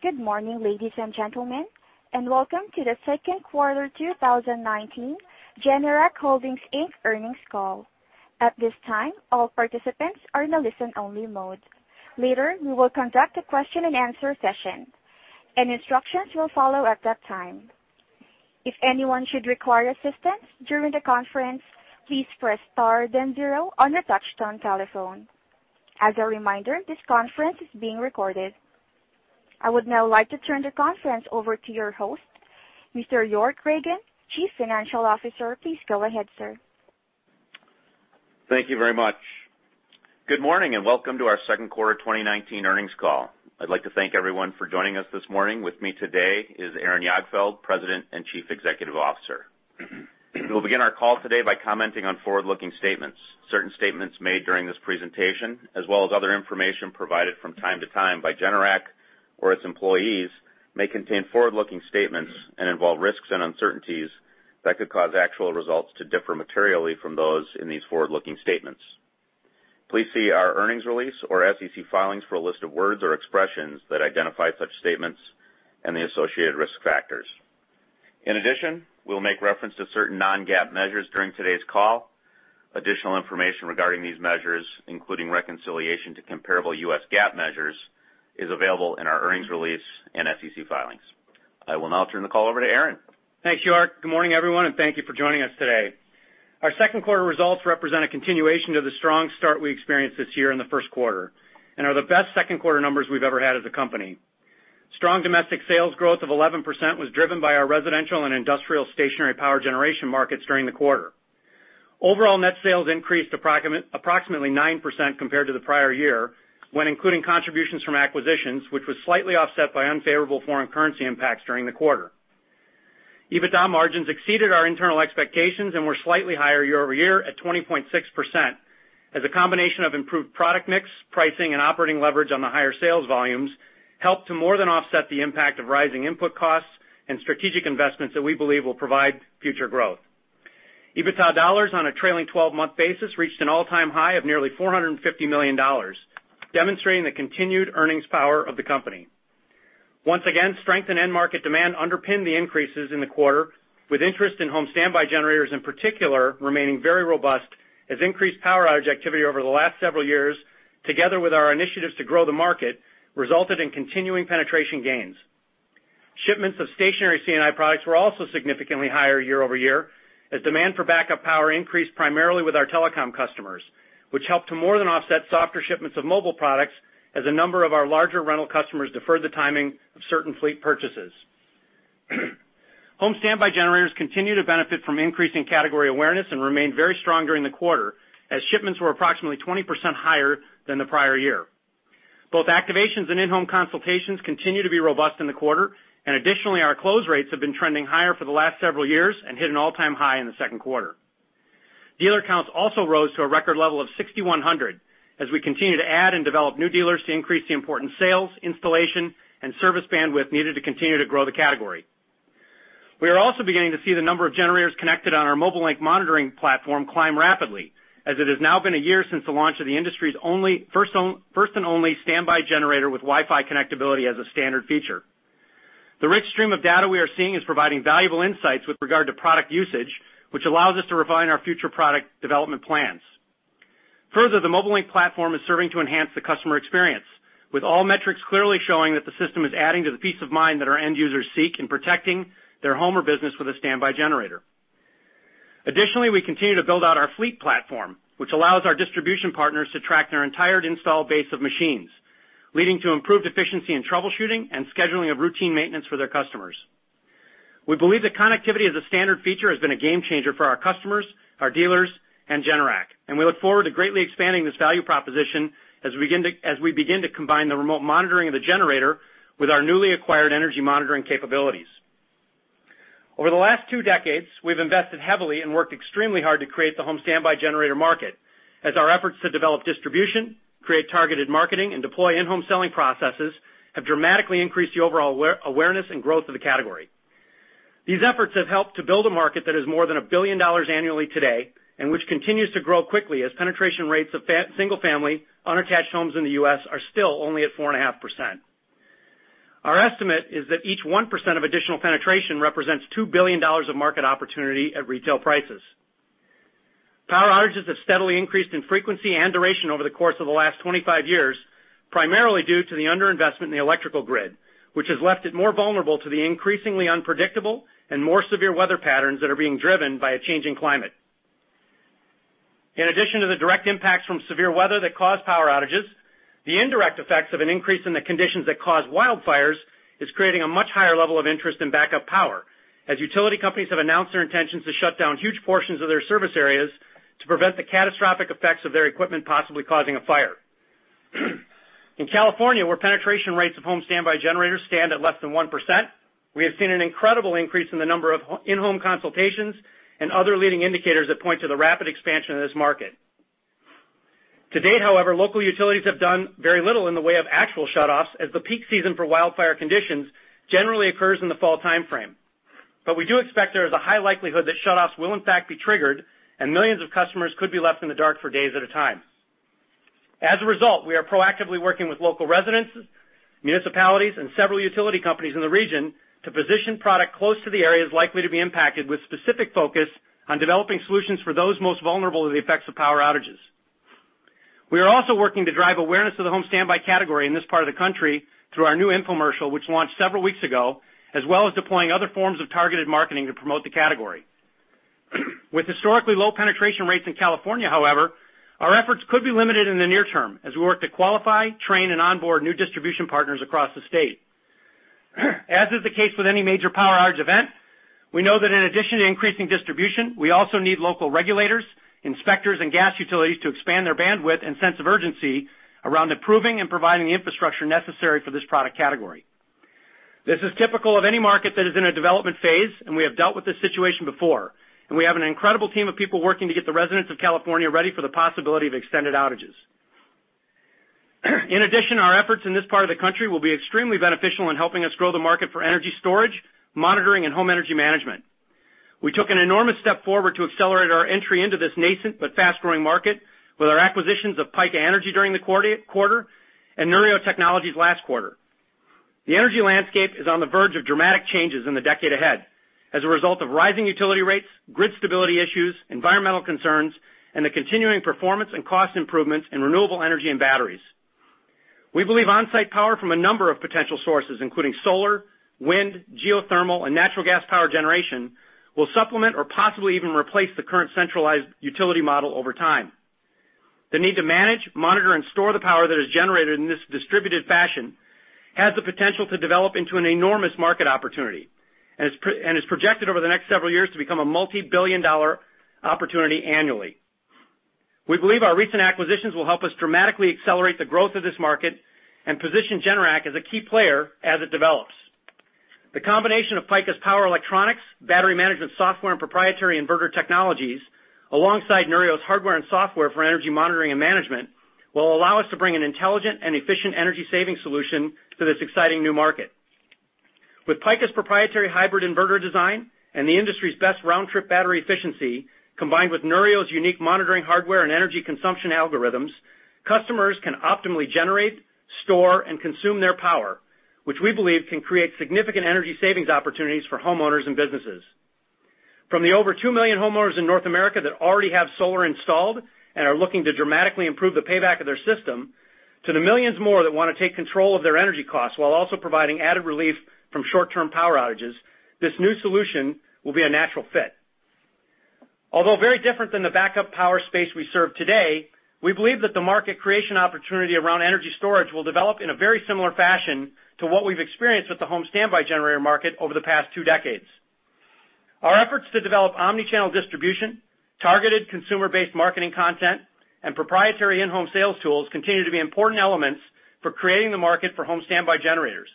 Good morning, ladies and gentlemen, and welcome to the second quarter 2019 Generac Holdings Inc. earnings call. At this time, all participants are in a listen-only mode. Later, we will conduct a question-and-answer session, and instructions will follow at that time. If anyone should require assistance during the conference, please press star then zero on your touchtone telephone. As a reminder, this conference is being recorded. I would now like to turn the conference over to your host, Mr. York Ragen, Chief Financial Officer. Please go ahead, sir. Thank you very much. Good morning and welcome to our second quarter 2019 earnings call. I'd like to thank everyone for joining us this morning. With me today is Aaron Jagdfeld, President and Chief Executive Officer. We will begin our call today by commenting on forward-looking statements. Certain statements made during this presentation, as well as other information provided from time to time by Generac or its employees, may contain forward-looking statements and involve risks and uncertainties that could cause actual results to differ materially from those in these forward-looking statements. Please see our earnings release or SEC filings for a list of words or expressions that identify such statements and the associated risk factors. In addition, we'll make reference to certain non-GAAP measures during today's call. Additional information regarding these measures, including reconciliation to comparable US GAAP measures, is available in our earnings release and SEC filings. I will now turn the call over to Aaron. Thanks, York. Good morning, everyone, and thank you for joining us today. Our second quarter results represent a continuation of the strong start we experienced this year in the first quarter and are the best second-quarter numbers we've ever had as a company. Strong domestic sales growth of 11% was driven by our residential and industrial stationary power generation markets during the quarter. Overall net sales increased approximately 9% compared to the prior year, when including contributions from acquisitions, which was slightly offset by unfavorable foreign currency impacts during the quarter. EBITDA margins exceeded our internal expectations and were slightly higher year-over-year at 20.6% as a combination of improved product mix, pricing, and operating leverage on the higher sales volumes helped to more than offset the impact of rising input costs and strategic investments that we believe will provide future growth. EBITDA dollars on a trailing 12-month basis reached an all-time high of nearly $450 million, demonstrating the continued earnings power of the company. Once again, strength in end market demand underpinned the increases in the quarter, with interest in home standby generators, in particular, remaining very robust as increased power outage activity over the last several years, together with our initiatives to grow the market, resulted in continuing penetration gains. Shipments of stationary C&I products were also significantly higher year-over-year as demand for backup power increased primarily with our telecom customers, which helped to more than offset softer shipments of mobile products as a number of our larger rental customers deferred the timing of certain fleet purchases. Home standby generators continue to benefit from increasing category awareness and remained very strong during the quarter as shipments were approximately 20% higher than the prior year. Additionally, our close rates have been trending higher for the last several years and hit an all-time high in the second quarter. Dealer counts also rose to a record level of 6,100 as we continue to add and develop new dealers to increase the important sales, installation, and service bandwidth needed to continue to grow the category. We are also beginning to see the number of generators connected on our Mobile Link monitoring platform climb rapidly, as it has now been a year since the launch of the industry's first and only standby generator with Wi-Fi connectability as a standard feature. The rich stream of data we are seeing is providing valuable insights with regard to product usage, which allows us to refine our future product development plans. The Mobile Link platform is serving to enhance the customer experience, with all metrics clearly showing that the system is adding to the peace of mind that our end users seek in protecting their home or business with a standby generator. Additionally, we continue to build out our fleet platform, which allows our distribution partners to track their entire installed base of machines, leading to improved efficiency and troubleshooting and scheduling of routine maintenance for their customers. We believe that connectivity as a standard feature has been a game changer for our customers, our dealers, and Generac. We look forward to greatly expanding this value proposition as we begin to combine the remote monitoring of the generator with our newly acquired energy monitoring capabilities. Over the last two decades, we've invested heavily and worked extremely hard to create the home standby generator market as our efforts to develop distribution, create targeted marketing, and deploy in-home selling processes have dramatically increased the overall awareness and growth of the category. These efforts have helped to build a market that is more than $1 billion annually today, and which continues to grow quickly as penetration rates of single-family, unattached homes in the U.S. are still only at 4.5%. Our estimate is that each 1% of additional penetration represents $2 billion of market opportunity at retail prices. Power outages have steadily increased in frequency and duration over the course of the last 25 years, primarily due to the underinvestment in the electrical grid, which has left it more vulnerable to the increasingly unpredictable and more severe weather patterns that are being driven by a changing climate. In addition to the direct impacts from severe weather that cause power outages, the indirect effects of an increase in the conditions that cause wildfires is creating a much higher level of interest in backup power, as utility companies have announced their intentions to shut down huge portions of their service areas to prevent the catastrophic effects of their equipment possibly causing a fire. In California, where penetration rates of home standby generators stand at less than 1%, we have seen an incredible increase in the number of in-home consultations and other leading indicators that point to the rapid expansion of this market. To date, however, local utilities have done very little in the way of actual shutoffs as the peak season for wildfire conditions generally occurs in the fall timeframe. We do expect there is a high likelihood that shutoffs will in fact be triggered and millions of customers could be left in the dark for days at a time. As a result, we are proactively working with local residents, municipalities, and several utility companies in the region to position product close to the areas likely to be impacted, with specific focus on developing solutions for those most vulnerable to the effects of power outages. We are also working to drive awareness of the home standby category in this part of the country through our new infomercial, which launched several weeks ago, as well as deploying other forms of targeted marketing to promote the category. With historically low penetration rates in California, however, our efforts could be limited in the near term as we work to qualify, train, and onboard new distribution partners across the state. Is the case with any major power outage event, we know that in addition to increasing distribution, we also need local regulators, inspectors, and gas utilities to expand their bandwidth and sense of urgency around improving and providing the infrastructure necessary for this product category. This is typical of any market that is in a development phase. We have dealt with this situation before. We have an incredible team of people working to get the residents of California ready for the possibility of extended outages. In addition, our efforts in this part of the country will be extremely beneficial in helping us grow the market for energy storage, monitoring, and home energy management. We took an enormous step forward to accelerate our entry into this nascent but fast-growing market with our acquisitions of Pika Energy during the quarter and Neurio Technologies last quarter. The energy landscape is on the verge of dramatic changes in the decade ahead as a result of rising utility rates, grid stability issues, environmental concerns, and the continuing performance and cost improvements in renewable energy and batteries. We believe onsite power from a number of potential sources, including solar, wind, geothermal, and natural gas power generation, will supplement or possibly even replace the current centralized utility model over time. The need to manage, monitor, and store the power that is generated in this distributed fashion has the potential to develop into an enormous market opportunity and is projected over the next several years to become a multibillion-dollar opportunity annually. We believe our recent acquisitions will help us dramatically accelerate the growth of this market and position Generac as a key player as it develops. The combination of Pika's power electronics, battery management software, and proprietary inverter technologies, alongside Neurio's hardware and software for energy monitoring and management, will allow us to bring an intelligent and efficient energy saving solution to this exciting new market. With Pika's proprietary hybrid inverter design and the industry's best round-trip battery efficiency, combined with Neurio's unique monitoring hardware and energy consumption algorithms, customers can optimally generate, store, and consume their power, which we believe can create significant energy savings opportunities for homeowners and businesses. From the over 2 million homeowners in North America that already have solar installed and are looking to dramatically improve the payback of their system to the millions more that want to take control of their energy costs while also providing added relief from short-term power outages, this new solution will be a natural fit. Although very different than the backup power space we serve today, we believe that the market creation opportunity around energy storage will develop in a very similar fashion to what we've experienced with the home standby generator market over the past two decades. Our efforts to develop omni-channel distribution, targeted consumer-based marketing content, and proprietary in-home sales tools continue to be important elements for creating the market for home standby generators,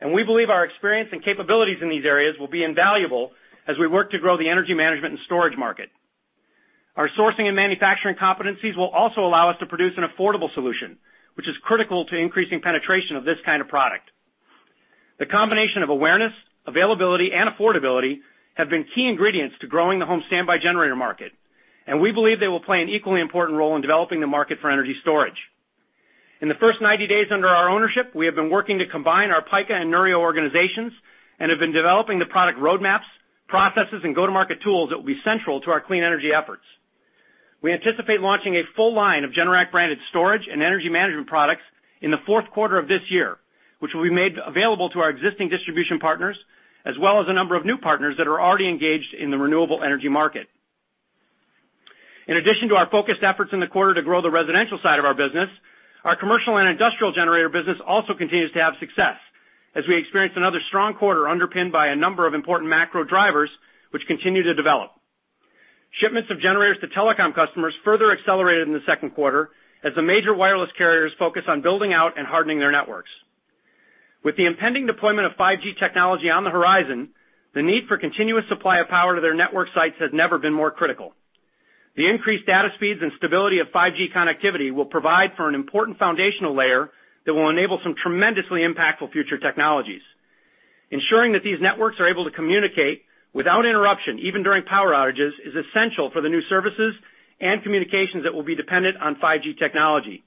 and we believe our experience and capabilities in these areas will be invaluable as we work to grow the energy management and storage market. Our sourcing and manufacturing competencies will also allow us to produce an affordable solution, which is critical to increasing penetration of this kind of product. The combination of awareness, availability, and affordability have been key ingredients to growing the home standby generator market, and we believe they will play an equally important role in developing the market for energy storage. In the first 90 days under our ownership, we have been working to combine our Pika and Neurio organizations and have been developing the product roadmaps, processes, and go-to-market tools that will be central to our clean energy efforts. We anticipate launching a full line of Generac-branded storage and energy management products in the fourth quarter of this year, which will be made available to our existing distribution partners, as well as a number of new partners that are already engaged in the renewable energy market. In addition to our focused efforts in the quarter to grow the residential side of our business, our commercial and industrial generator business also continues to have success as we experience another strong quarter underpinned by a number of important macro drivers which continue to develop. Shipments of generators to telecom customers further accelerated in the second quarter as the major wireless carriers focus on building out and hardening their networks. With the impending deployment of 5G technology on the horizon, the need for continuous supply of power to their network sites has never been more critical. The increased data speeds and stability of 5G connectivity will provide for an important foundational layer that will enable some tremendously impactful future technologies. Ensuring that these networks are able to communicate without interruption, even during power outages, is essential for the new services and communications that will be dependent on 5G technology.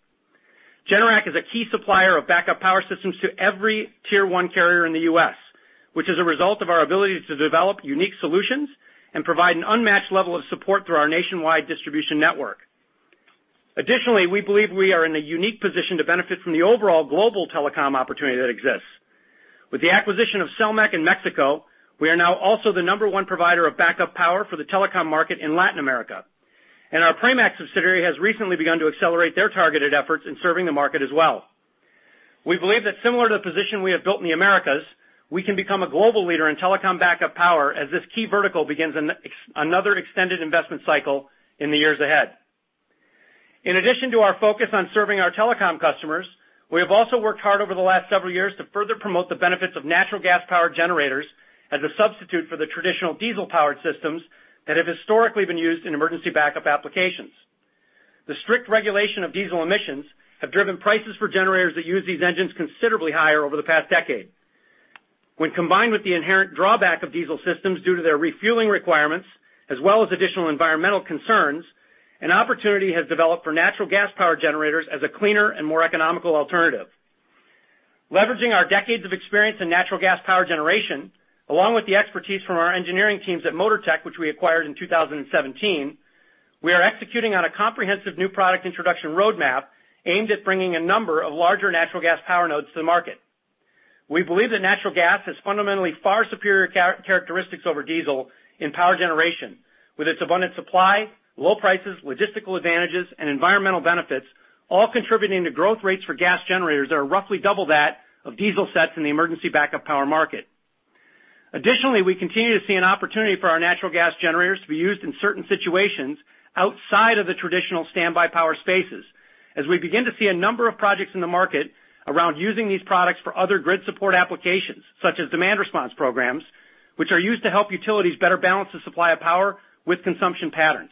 Generac is a key supplier of backup power systems to every tier 1 carrier in the U.S., which is a result of our ability to develop unique solutions and provide an unmatched level of support through our nationwide distribution network. Additionally, we believe we are in a unique position to benefit from the overall global telecom opportunity that exists. With the acquisition of Selmec in Mexico, we are now also the number 1 provider of backup power for the telecom market in Latin America. Our Pramac subsidiary has recently begun to accelerate their targeted efforts in serving the market as well. We believe that similar to the position we have built in the Americas, we can become a global leader in telecom backup power as this key vertical begins another extended investment cycle in the years ahead. In addition to our focus on serving our telecom customers, we have also worked hard over the last several years to further promote the benefits of natural gas-powered generators as a substitute for the traditional diesel-powered systems that have historically been used in emergency backup applications. The strict regulation of diesel emissions have driven prices for generators that use these engines considerably higher over the past decade. When combined with the inherent drawback of diesel systems due to their refueling requirements, as well as additional environmental concerns, an opportunity has developed for natural gas-power generators as a cleaner and more economical alternative. Leveraging our decades of experience in natural gas power generation, along with the expertise from our engineering teams at Motortech, which we acquired in 2017, we are executing on a comprehensive new product introduction roadmap aimed at bringing a number of larger natural gas-power nodes to the market. We believe that natural gas has fundamentally far superior characteristics over diesel in power generation, with its abundant supply, low prices, logistical advantages, and environmental benefits all contributing to growth rates for gas generators that are roughly double that of diesel sets in the emergency backup power market. Additionally, we continue to see an opportunity for our natural gas generators to be used in certain situations outside of the traditional standby power spaces, as we begin to see a number of projects in the market around using these products for other grid support applications, such as demand response programs, which are used to help utilities better balance the supply of power with consumption patterns.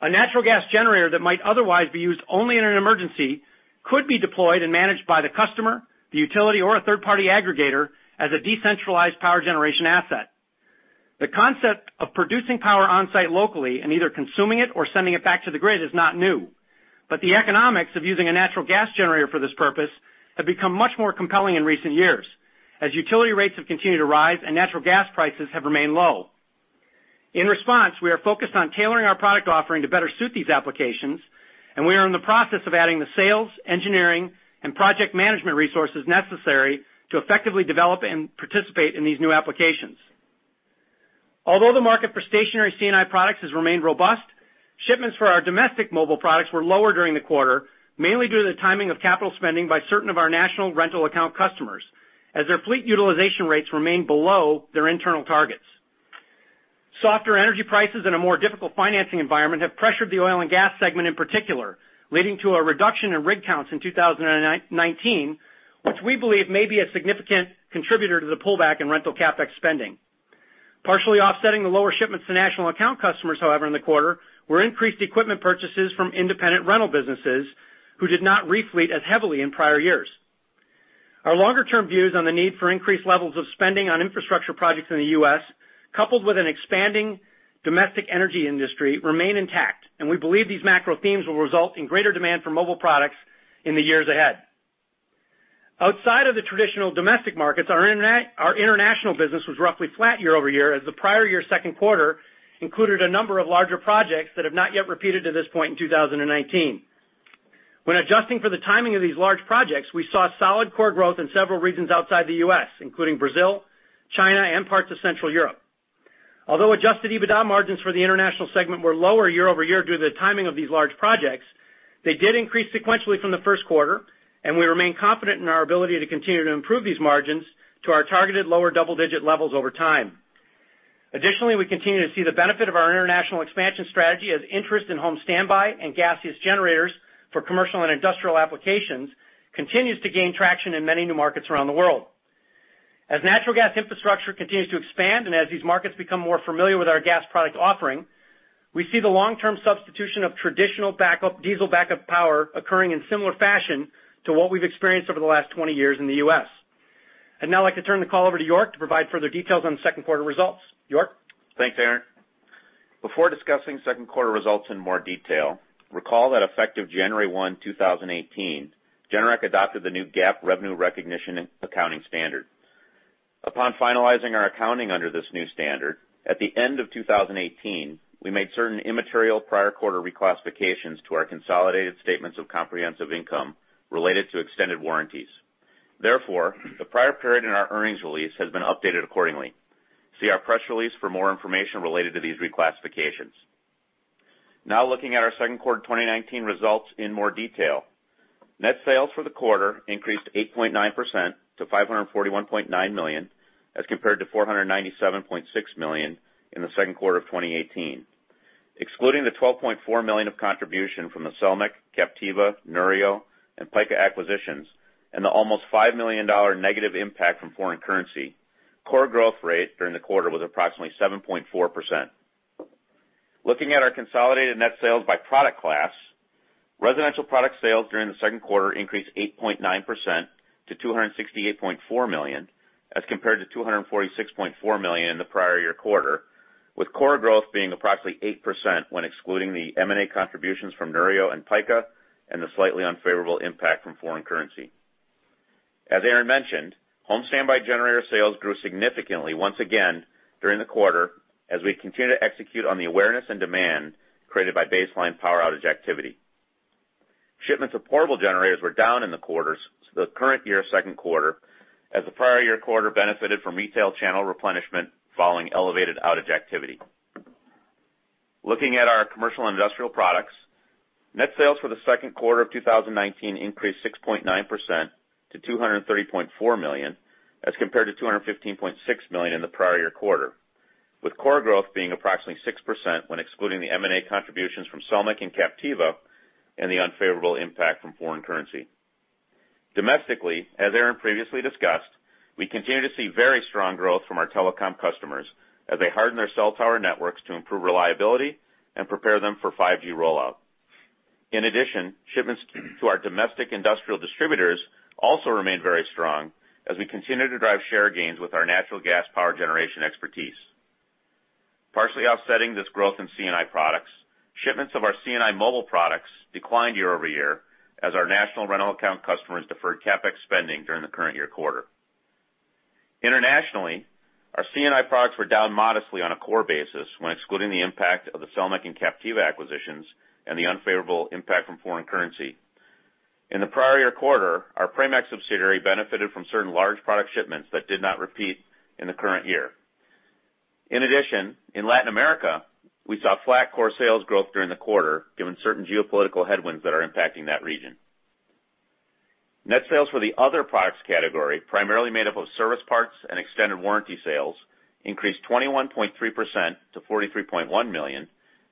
A natural gas generator that might otherwise be used only in an emergency could be deployed and managed by the customer, the utility, or a third-party aggregator as a decentralized power generation asset. The concept of producing power on-site locally and either consuming it or sending it back to the grid is not new, the economics of using a natural gas generator for this purpose have become much more compelling in recent years, as utility rates have continued to rise and natural gas prices have remained low. In response, we are focused on tailoring our product offering to better suit these applications, and we are in the process of adding the sales, engineering, and project management resources necessary to effectively develop and participate in these new applications. Although the market for stationary C&I products has remained robust, shipments for our domestic mobile products were lower during the quarter, mainly due to the timing of capital spending by certain of our national rental account customers, as their fleet utilization rates remain below their internal targets. Softer energy prices and a more difficult financing environment have pressured the oil and gas segment in particular, leading to a reduction in rig counts in 2019, which we believe may be a significant contributor to the pullback in rental CapEx spending. Partially offsetting the lower shipments to national account customers, however, in the quarter, were increased equipment purchases from independent rental businesses who did not refleet as heavily in prior years. Our longer-term views on the need for increased levels of spending on infrastructure projects in the U.S., coupled with an expanding domestic energy industry, remain intact, we believe these macro themes will result in greater demand for mobile products in the years ahead. Outside of the traditional domestic markets, our international business was roughly flat year-over-year as the prior year second quarter included a number of larger projects that have not yet repeated to this point in 2019. When adjusting for the timing of these large projects, we saw solid core growth in several regions outside the U.S., including Brazil, China, and parts of Central Europe. Although adjusted EBITDA margins for the international segment were lower year-over-year due to the timing of these large projects, they did increase sequentially from the first quarter, we remain confident in our ability to continue to improve these margins to our targeted lower double-digit levels over time. Additionally, we continue to see the benefit of our international expansion strategy as interest in home standby and gaseous generators for commercial and industrial applications continues to gain traction in many new markets around the world. As natural gas infrastructure continues to expand and as these markets become more familiar with our gas product offering, we see the long-term substitution of traditional diesel backup power occurring in similar fashion to what we've experienced over the last 20 years in the U.S. Now I'd like to turn the call over to York to provide further details on the second quarter results. York? Thanks, Aaron. Before discussing second quarter results in more detail, recall that effective January 1, 2018, Generac adopted the new GAAP revenue recognition accounting standard. Upon finalizing our accounting under this new standard, at the end of 2018, we made certain immaterial prior quarter reclassifications to our consolidated statements of comprehensive income related to extended warranties. Therefore, the prior period in our earnings release has been updated accordingly. See our press release for more information related to these reclassifications. Now looking at our second quarter 2019 results in more detail. Net sales for the quarter increased 8.9% to $541.9 million as compared to $497.6 million in the second quarter of 2018. Excluding the $12.4 million of contribution from the Selmec, Captiva, Neurio, and Pika acquisitions and the almost $5 million negative impact from foreign currency, core growth rate during the quarter was approximately 7.4%. Looking at our consolidated net sales by product class, residential product sales during the second quarter increased 8.9% to $268.4 million as compared to $246.4 million in the prior year quarter, with core growth being approximately 8% when excluding the M&A contributions from Neurio and Pika and the slightly unfavorable impact from foreign currency. As Aaron mentioned, home standby generator sales grew significantly once again during the quarter as we continue to execute on the awareness and demand created by baseline power outage activity. Shipments of portable generators were down in the quarters to the current year second quarter as the prior year quarter benefited from retail channel replenishment following elevated outage activity. Looking at our commercial industrial products, net sales for the second quarter of 2019 increased 6.9% to $230.4 million as compared to $215.6 million in the prior year quarter, with core growth being approximately 6% when excluding the M&A contributions from Selmec and Captiva and the unfavorable impact from foreign currency. Domestically, as Aaron previously discussed, we continue to see very strong growth from our telecom customers as they harden their cell tower networks to improve reliability and prepare them for 5G rollout. In addition, shipments to our domestic industrial distributors also remained very strong as we continue to drive share gains with our natural gas power generation expertise. Partially offsetting this growth in C&I products, shipments of our C&I mobile products declined year-over-year as our national rental account customers deferred CapEx spending during the current year quarter. Internationally, our C&I products were down modestly on a core basis when excluding the impact of the Selmec and Captiva acquisitions and the unfavorable impact from foreign currency. In the prior year quarter, our Pramac subsidiary benefited from certain large product shipments that did not repeat in the current year. In addition, in Latin America, we saw flat core sales growth during the quarter, given certain geopolitical headwinds that are impacting that region. Net sales for the other products category, primarily made up of service parts and extended warranty sales, increased 21.3% to $43.1 million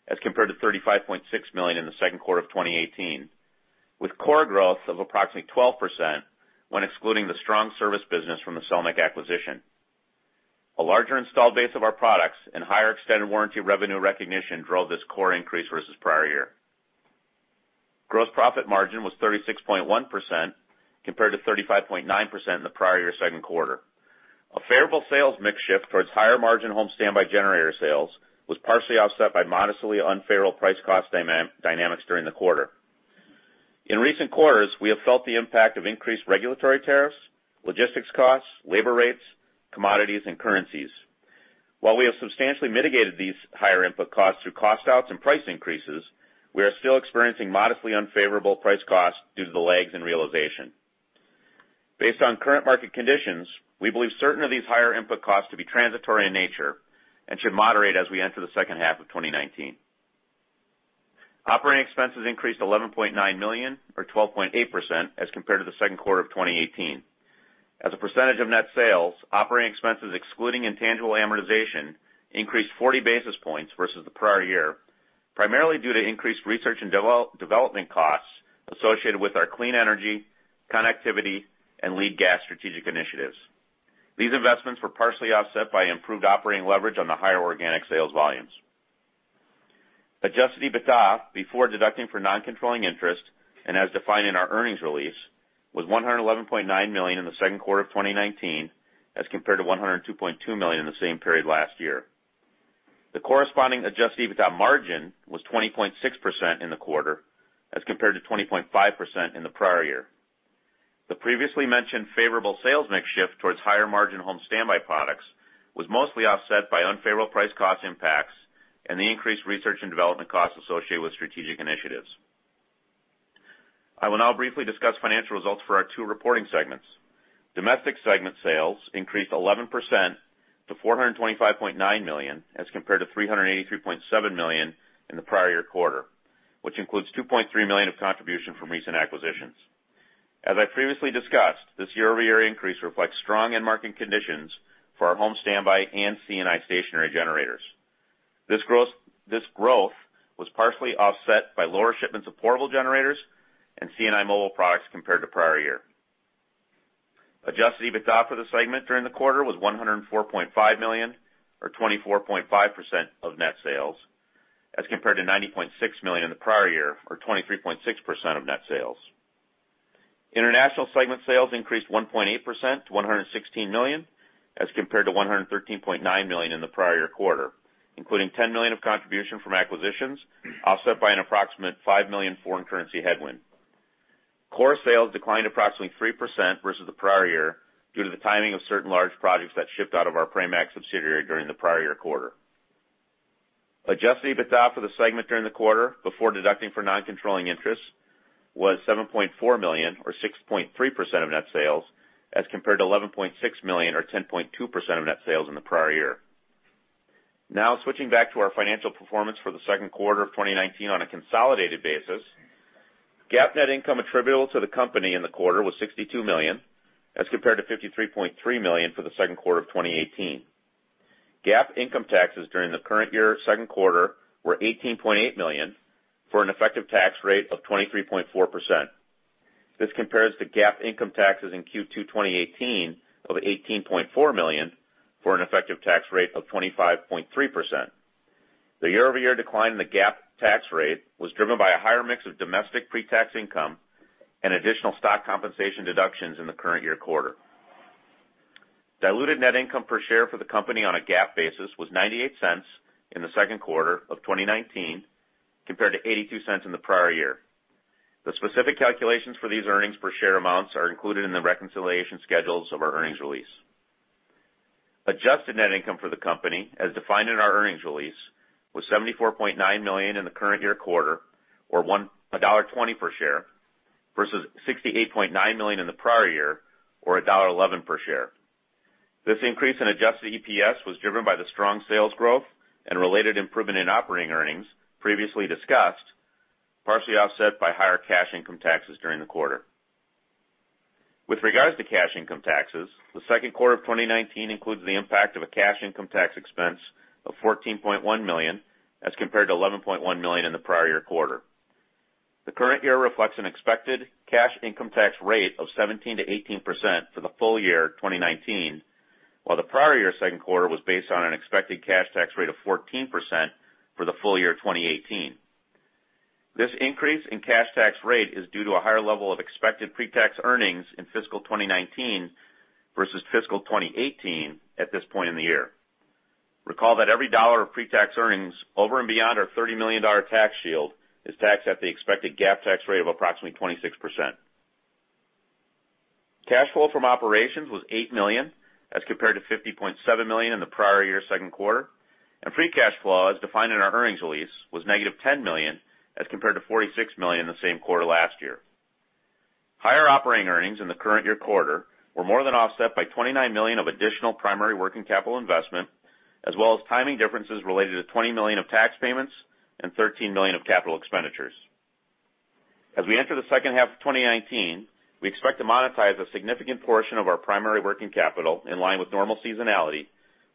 as compared to $35.6 million in the second quarter of 2018, with core growth of approximately 12% when excluding the strong service business from the Selmec acquisition. A larger installed base of our products and higher extended warranty revenue recognition drove this core increase versus the prior year. Gross profit margin was 36.1%, compared to 35.9% in the prior year second quarter. A favorable sales mix shift towards higher margin home standby generator sales was partially offset by modestly unfavorable price-cost dynamics during the quarter. In recent quarters, we have felt the impact of increased regulatory tariffs, logistics costs, labor rates, commodities, and currencies. While we have substantially mitigated these higher input costs through cost outs and price increases, we are still experiencing modestly unfavorable price-cost due to the lags in realization. Based on current market conditions, we believe certain of these higher input costs to be transitory in nature and should moderate as we enter the second half of 2019. Operating expenses increased $11.9 million or 12.8% as compared to the second quarter of 2018. As a percentage of net sales, operating expenses excluding intangible amortization increased 40 basis points versus the prior year, primarily due to increased research and development costs associated with our clean energy, connectivity, and lean gas strategic initiatives. These investments were partially offset by improved operating leverage on the higher organic sales volumes. Adjusted EBITDA, before deducting for non-controlling interest and as defined in our earnings release, was $111.9 million in the second quarter of 2019 as compared to $102.2 million in the same period last year. The corresponding adjusted EBITDA margin was 20.6% in the quarter as compared to 20.5% in the prior year. The previously mentioned favorable sales mix shift towards higher margin home standby products was mostly offset by unfavorable price-cost impacts and the increased research and development costs associated with strategic initiatives. I will now briefly discuss financial results for our two reporting segments. Domestic segment sales increased 11% to $425.9 million as compared to $383.7 million in the prior year quarter, which includes $2.3 million of contribution from recent acquisitions. As I previously discussed, this year-over-year increase reflects strong end market conditions for our home standby and C&I stationary generators. This growth was partially offset by lower shipments of portable generators and C&I mobile products compared to prior year. Adjusted EBITDA for the segment during the quarter was $104.5 million or 24.5% of net sales as compared to $90.6 million in the prior year or 23.6% of net sales. International segment sales increased 1.8% to $116 million as compared to $113.9 million in the prior year quarter, including $10 million of contribution from acquisitions offset by an approximate $5 million foreign currency headwind. Core sales declined approximately 3% versus the prior year due to the timing of certain large projects that shipped out of our Pramac subsidiary during the prior year quarter. Adjusted EBITDA for the segment during the quarter before deducting for non-controlling interests was $7.4 million or 6.3% of net sales as compared to $11.6 million or 10.2% of net sales in the prior year. Switching back to our financial performance for the second quarter of 2019 on a consolidated basis. GAAP net income attributable to the company in the quarter was $62 million as compared to $53.3 million for the second quarter of 2018. GAAP income taxes during the current year second quarter were $18.8 million, for an effective tax rate of 23.4%. This compares to GAAP income taxes in Q2 2018 of $18.4 million, for an effective tax rate of 25.3%. The year-over-year decline in the GAAP tax rate was driven by a higher mix of domestic pre-tax income and additional stock compensation deductions in the current year quarter. Diluted net income per share for the company on a GAAP basis was $0.98 in the second quarter of 2019 compared to $0.82 in the prior year. The specific calculations for these earnings per share amounts are included in the reconciliation schedules of our earnings release. Adjusted net income for the company, as defined in our earnings release, was $74.9 million in the current year quarter, or $1.20 per share, versus $68.9 million in the prior year or $1.11 per share. This increase in adjusted EPS was driven by the strong sales growth and related improvement in operating earnings previously discussed, partially offset by higher cash income taxes during the quarter. With regards to cash income taxes, the second quarter of 2019 includes the impact of a cash income tax expense of $14.1 million as compared to $11.1 million in the prior year quarter. The current year reflects an expected cash income tax rate of 17%-18% for the full year 2019, while the prior year second quarter was based on an expected cash tax rate of 14% for the full year 2018. This increase in cash tax rate is due to a higher level of expected pre-tax earnings in fiscal 2019 versus fiscal 2018 at this point in the year. Recall that every dollar of pre-tax earnings over and beyond our $30 million tax shield is taxed at the expected GAAP tax rate of approximately 26%. Cash flow from operations was $8 million, as compared to $50.7 million in the prior year second quarter, and free cash flow, as defined in our earnings release, was -$10 million, as compared to $46 million in the same quarter last year. Higher operating earnings in the current year quarter were more than offset by $29 million of additional primary working capital investment, as well as timing differences related to $20 million of tax payments and $13 million of capital expenditures. As we enter the second half of 2019, we expect to monetize a significant portion of our primary working capital in line with normal seasonality,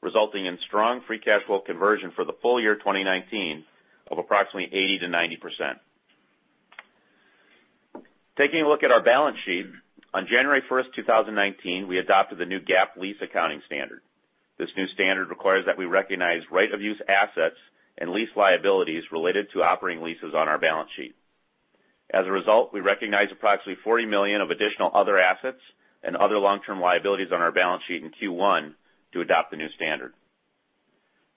resulting in strong free cash flow conversion for the full year 2019 of approximately 80%-90%. Taking a look at our balance sheet, on January 1st, 2019, we adopted the new GAAP lease accounting standard. This new standard requires that we recognize right-of-use assets and lease liabilities related to operating leases on our balance sheet. As a result, we recognized approximately $40 million of additional other assets and other long-term liabilities on our balance sheet in Q1 to adopt the new standard.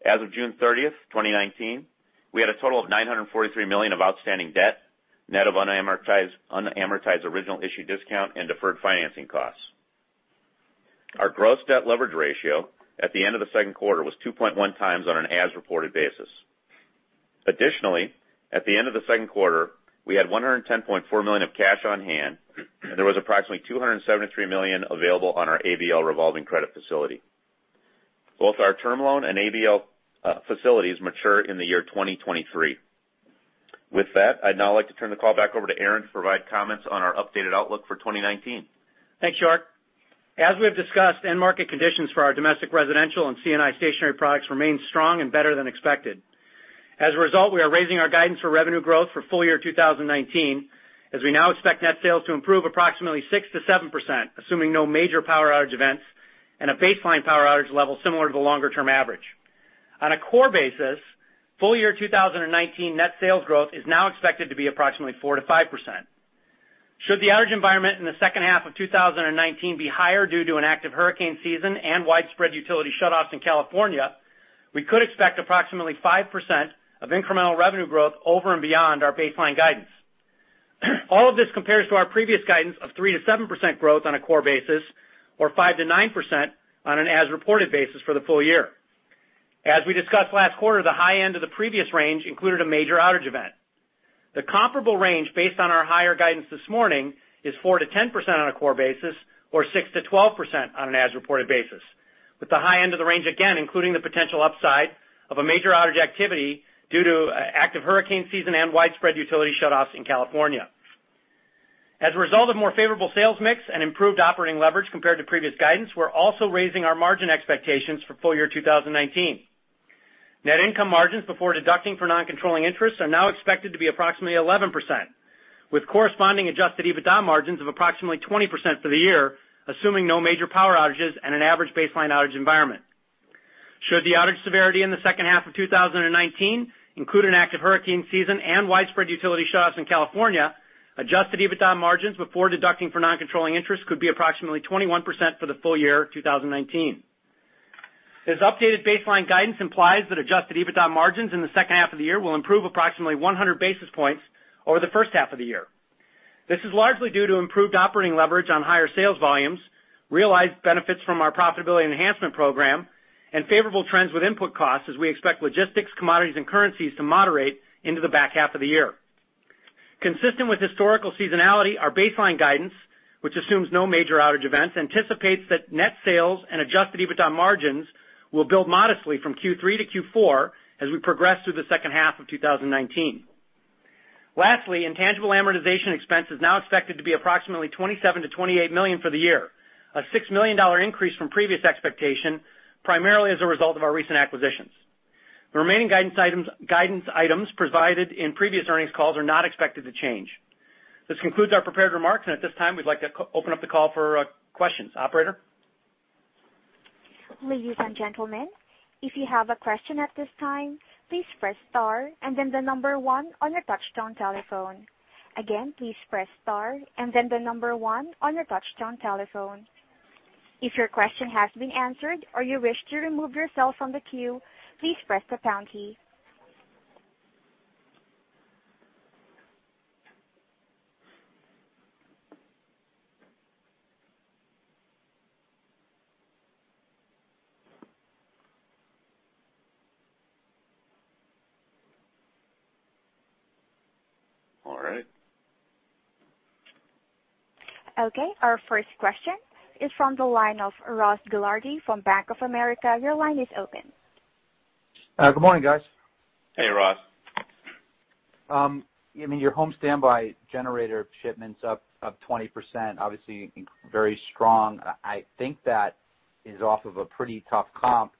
As of June 30th, 2019, we had a total of $943 million of outstanding debt, net of unamortized original issue discount and deferred financing costs. Our gross debt leverage ratio at the end of the second quarter was 2.1 times on an as-reported basis. Additionally, at the end of the second quarter, we had $110.4 million of cash on hand, and there was approximately $273 million available on our ABL revolving credit facility. Both our term loan and ABL facilities mature in the year 2023. With that, I'd now like to turn the call back over to Aaron to provide comments on our updated outlook for 2019. Thanks, York. As we have discussed, end market conditions for our domestic residential and C&I stationary products remain strong and better than expected. As a result, we are raising our guidance for revenue growth for full-year 2019, as we now expect net sales to improve approximately 6%-7%, assuming no major power outage events and a baseline power outage level similar to the longer-term average. On a core basis, full-year 2019 net sales growth is now expected to be approximately 4%-5%. Should the outage environment in the second-half of 2019 be higher due to an active hurricane season and widespread utility shutoffs in California, we could expect approximately 5% of incremental revenue growth over and beyond our baseline guidance. All of this compares to our previous guidance of 3%-7% growth on a core basis or 5%-9% on an as-reported basis for the full-year. As we discussed last quarter, the high end of the previous range included a major outage event. The comparable range based on our higher guidance this morning is 4%-10% on a core basis or 6%-12% on an as-reported basis, with the high end of the range again including the potential upside of a major outage activity due to active hurricane season and widespread utility shutoffs in California. As a result of more favorable sales mix and improved operating leverage compared to previous guidance, we're also raising our margin expectations for full-year 2019. Net income margins before deducting for non-controlling interests are now expected to be approximately 11%, with corresponding adjusted EBITDA margins of approximately 20% for the year, assuming no major power outages and an average baseline outage environment. Should the outage severity in the second-half of 2019 include an active hurricane season and widespread utility shutoffs in California, adjusted EBITDA margins before deducting for non-controlling interests could be approximately 21% for the full-year 2019. This updated baseline guidance implies that adjusted EBITDA margins in the second-half of the year will improve approximately 100 basis points over the first-half of the year. This is largely due to improved operating leverage on higher sales volumes, realized benefits from our profitability enhancement program, and favorable trends with input costs as we expect logistics, commodities, and currencies to moderate into the back-half of the year. Consistent with historical seasonality, our baseline guidance, which assumes no major outage events, anticipates that net sales and adjusted EBITDA margins will build modestly from Q3 to Q4 as we progress through the second half of 2019. Lastly, intangible amortization expense is now expected to be approximately 27 million to 28 million for the year, a $6 million increase from previous expectation, primarily as a result of our recent acquisitions. The remaining guidance items provided in previous earnings calls are not expected to change. This concludes our prepared remarks, and at this time, we'd like to open up the call for questions. Operator? Ladies and gentlemen, if you have a question at this time, please press star and then the number one on your touchtone telephone. Again, please press star and then the number one on your touchtone telephone. If your question has been answered or you wish to remove yourself from the queue, please press the pound key. All right. Okay, our first question is from the line of Ross Gilardi from Bank of America. Your line is open. Good morning, guys. Hey, Ross. Your home standby generator shipments up 20%, obviously very strong. I think that is off of a pretty tough comp,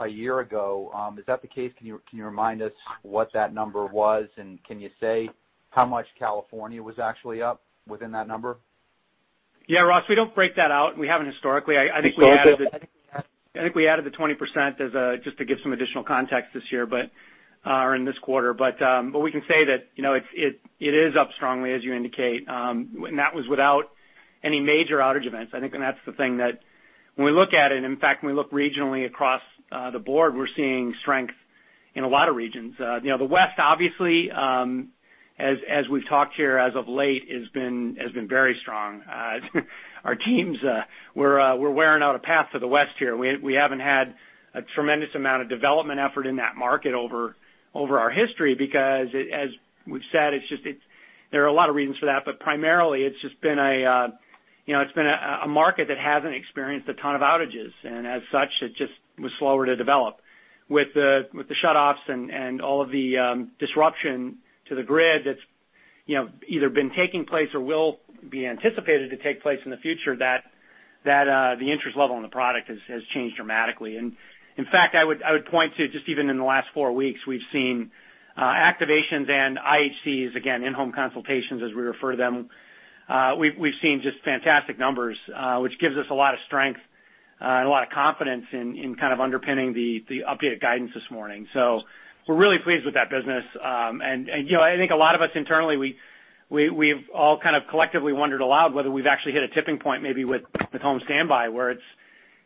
a year ago. Is that the case? Can you remind us what that number was? Can you say how much California was actually up within that number? Yeah, Ross, we don't break that out, and we haven't historically. I think we added the 20% just to give some additional context this year, but are in this quarter. We can say that it is up strongly as you indicate. That was without any major outage events, I think, and that's the thing. When we look at it, in fact, when we look regionally across the board, we're seeing strength in a lot of regions. The West, obviously, as we've talked here as of late, has been very strong. Our teams, we're wearing out a path to the West here. We haven't had a tremendous amount of development effort in that market over our history because as we've said, there are a lot of reasons for that, but primarily, it's just been a market that hasn't experienced a ton of outages. As such, it just was slower to develop. With the shutoffs and all of the disruption to the grid that's either been taking place or will be anticipated to take place in the future, the interest level in the product has changed dramatically. In fact, I would point to just even in the last 4 weeks, we've seen activations and IHCs again, in-home consultations as we refer to them. We've seen just fantastic numbers, which gives us a lot of strength, and a lot of confidence in underpinning the updated guidance this morning. We're really pleased with that business. I think a lot of us internally, we've all collectively wondered aloud whether we've actually hit a tipping point maybe with home standby, where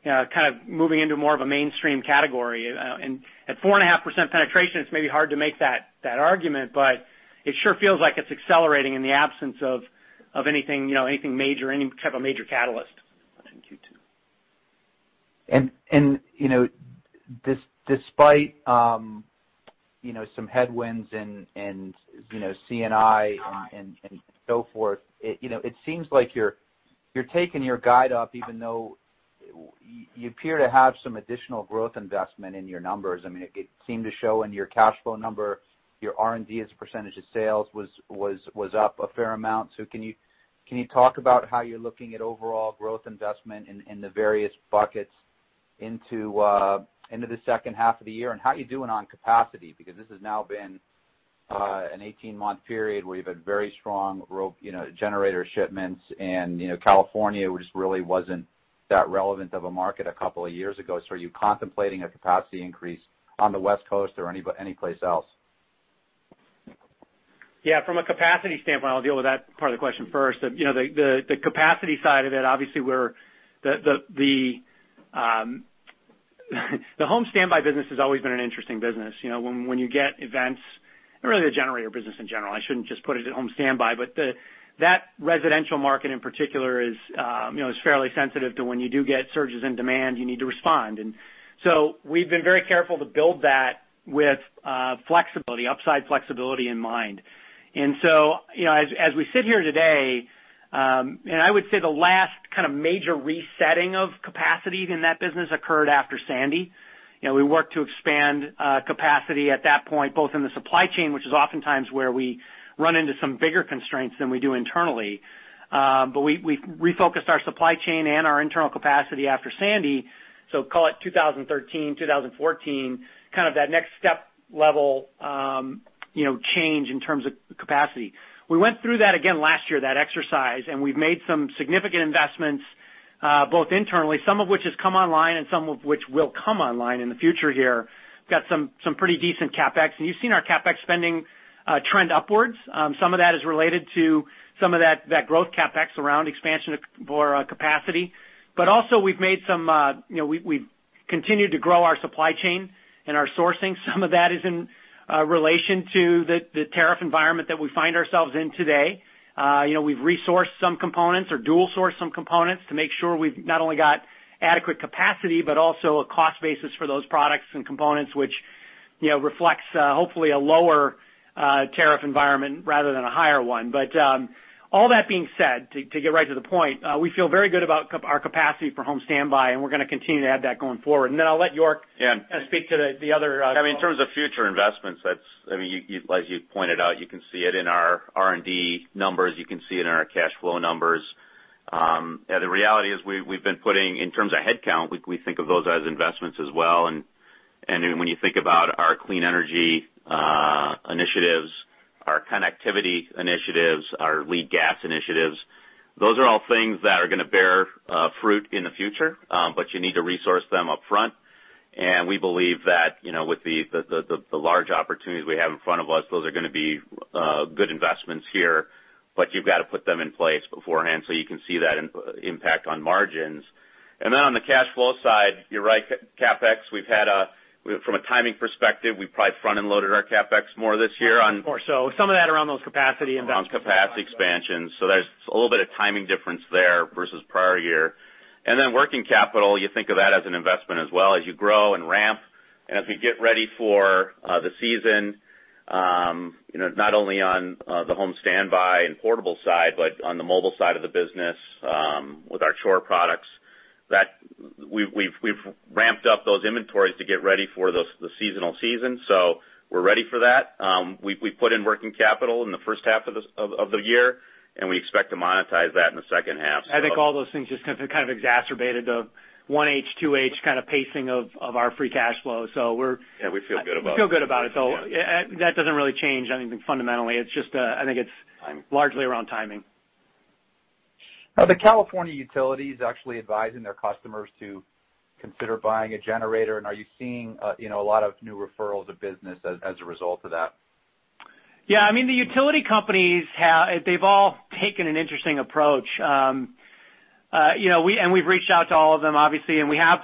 it's moving into more of a mainstream category. At 4.5% penetration, it's maybe hard to make that argument, but it sure feels like it's accelerating in the absence of anything major, any type of a major catalyst in Q2. Despite some headwinds and C&I and so forth, it seems like you're taking your guide up even though you appear to have some additional growth investment in your numbers. It seemed to show in your cash flow number, your R&D as a percentage of sales was up a fair amount. Can you talk about how you're looking at overall growth investment in the various buckets into the second half of the year? How are you doing on capacity? Because this has now been an 18-month period where you've had very strong generator shipments, and California just really wasn't that relevant of a market a couple of years ago. Are you contemplating a capacity increase on the West Coast or any place else? From a capacity standpoint, I'll deal with that part of the question first. The capacity side of it, obviously, the home standby business has always been an interesting business. When you get events, and really the generator business in general, I shouldn't just put it at home standby, but that residential market in particular is fairly sensitive to when you do get surges in demand, you need to respond. We've been very careful to build that with upside flexibility in mind. As we sit here today, I would say the last major resetting of capacity in that business occurred after Sandy. We worked to expand capacity at that point, both in the supply chain, which is oftentimes where we run into some bigger constraints than we do internally. We refocused our supply chain and our internal capacity after Sandy. Call it 2013, 2014, that next step-level change in terms of capacity. We went through that again last year, that exercise, and we've made some significant investments, both internally, some of which has come online, and some of which will come online in the future here. We've got some pretty decent CapEx. You've seen our CapEx spending trend upwards. Some of that is related to some of that growth CapEx around expansion for capacity. Also we've continued to grow our supply chain and our sourcing. Some of that is in relation to the tariff environment that we find ourselves in today. We've resourced some components or dual-sourced some components to make sure we've not only got adequate capacity, but also a cost basis for those products and components, which reflects hopefully a lower tariff environment rather than a higher one. All that being said, to get right to the point, we feel very good about our capacity for home standby, we're going to continue to add that going forward. Then I'll let York speak to the other. Yeah. In terms of future investments, as you pointed out, you can see it in our R&D numbers. You can see it in our cash flow numbers. The reality is we've been putting in terms of headcount, we think of those as investments as well. When you think about our clean energy initiatives, our connectivity initiatives, our lean gas initiatives, those are all things that are going to bear fruit in the future, but you need to resource them upfront. We believe that with the large opportunities we have in front of us, those are going to be good investments here. You've got to put them in place beforehand so you can see that impact on margins. Then on the cash flow side, you're right. CapEx, from a timing perspective, we probably front-end loaded our CapEx more this year... More so. Some of that around those capacity investments around capacity expansion. There's a little bit of timing difference there versus prior year. Then working capital, you think of that as an investment as well as you grow and ramp. As we get ready for the season, not only on the home standby and portable side, but on the mobile side of the business, with our Chore products, We've ramped up those inventories to get ready for the seasonal season. We're ready for that. We put in working capital in the first half of the year, we expect to monetize that in the second half. I think all those things just kind of exacerbated the 1H, 2H kind of pacing of our free cash flow. Yeah, we feel good about it we feel good about it. That doesn't really change anything fundamentally... Timing largely around timing. Are the California utilities actually advising their customers to consider buying a generator? Are you seeing a lot of new referrals of business as a result of that? Yeah. The utility companies, they've all taken an interesting approach. We've reached out to all of them, obviously, and we've had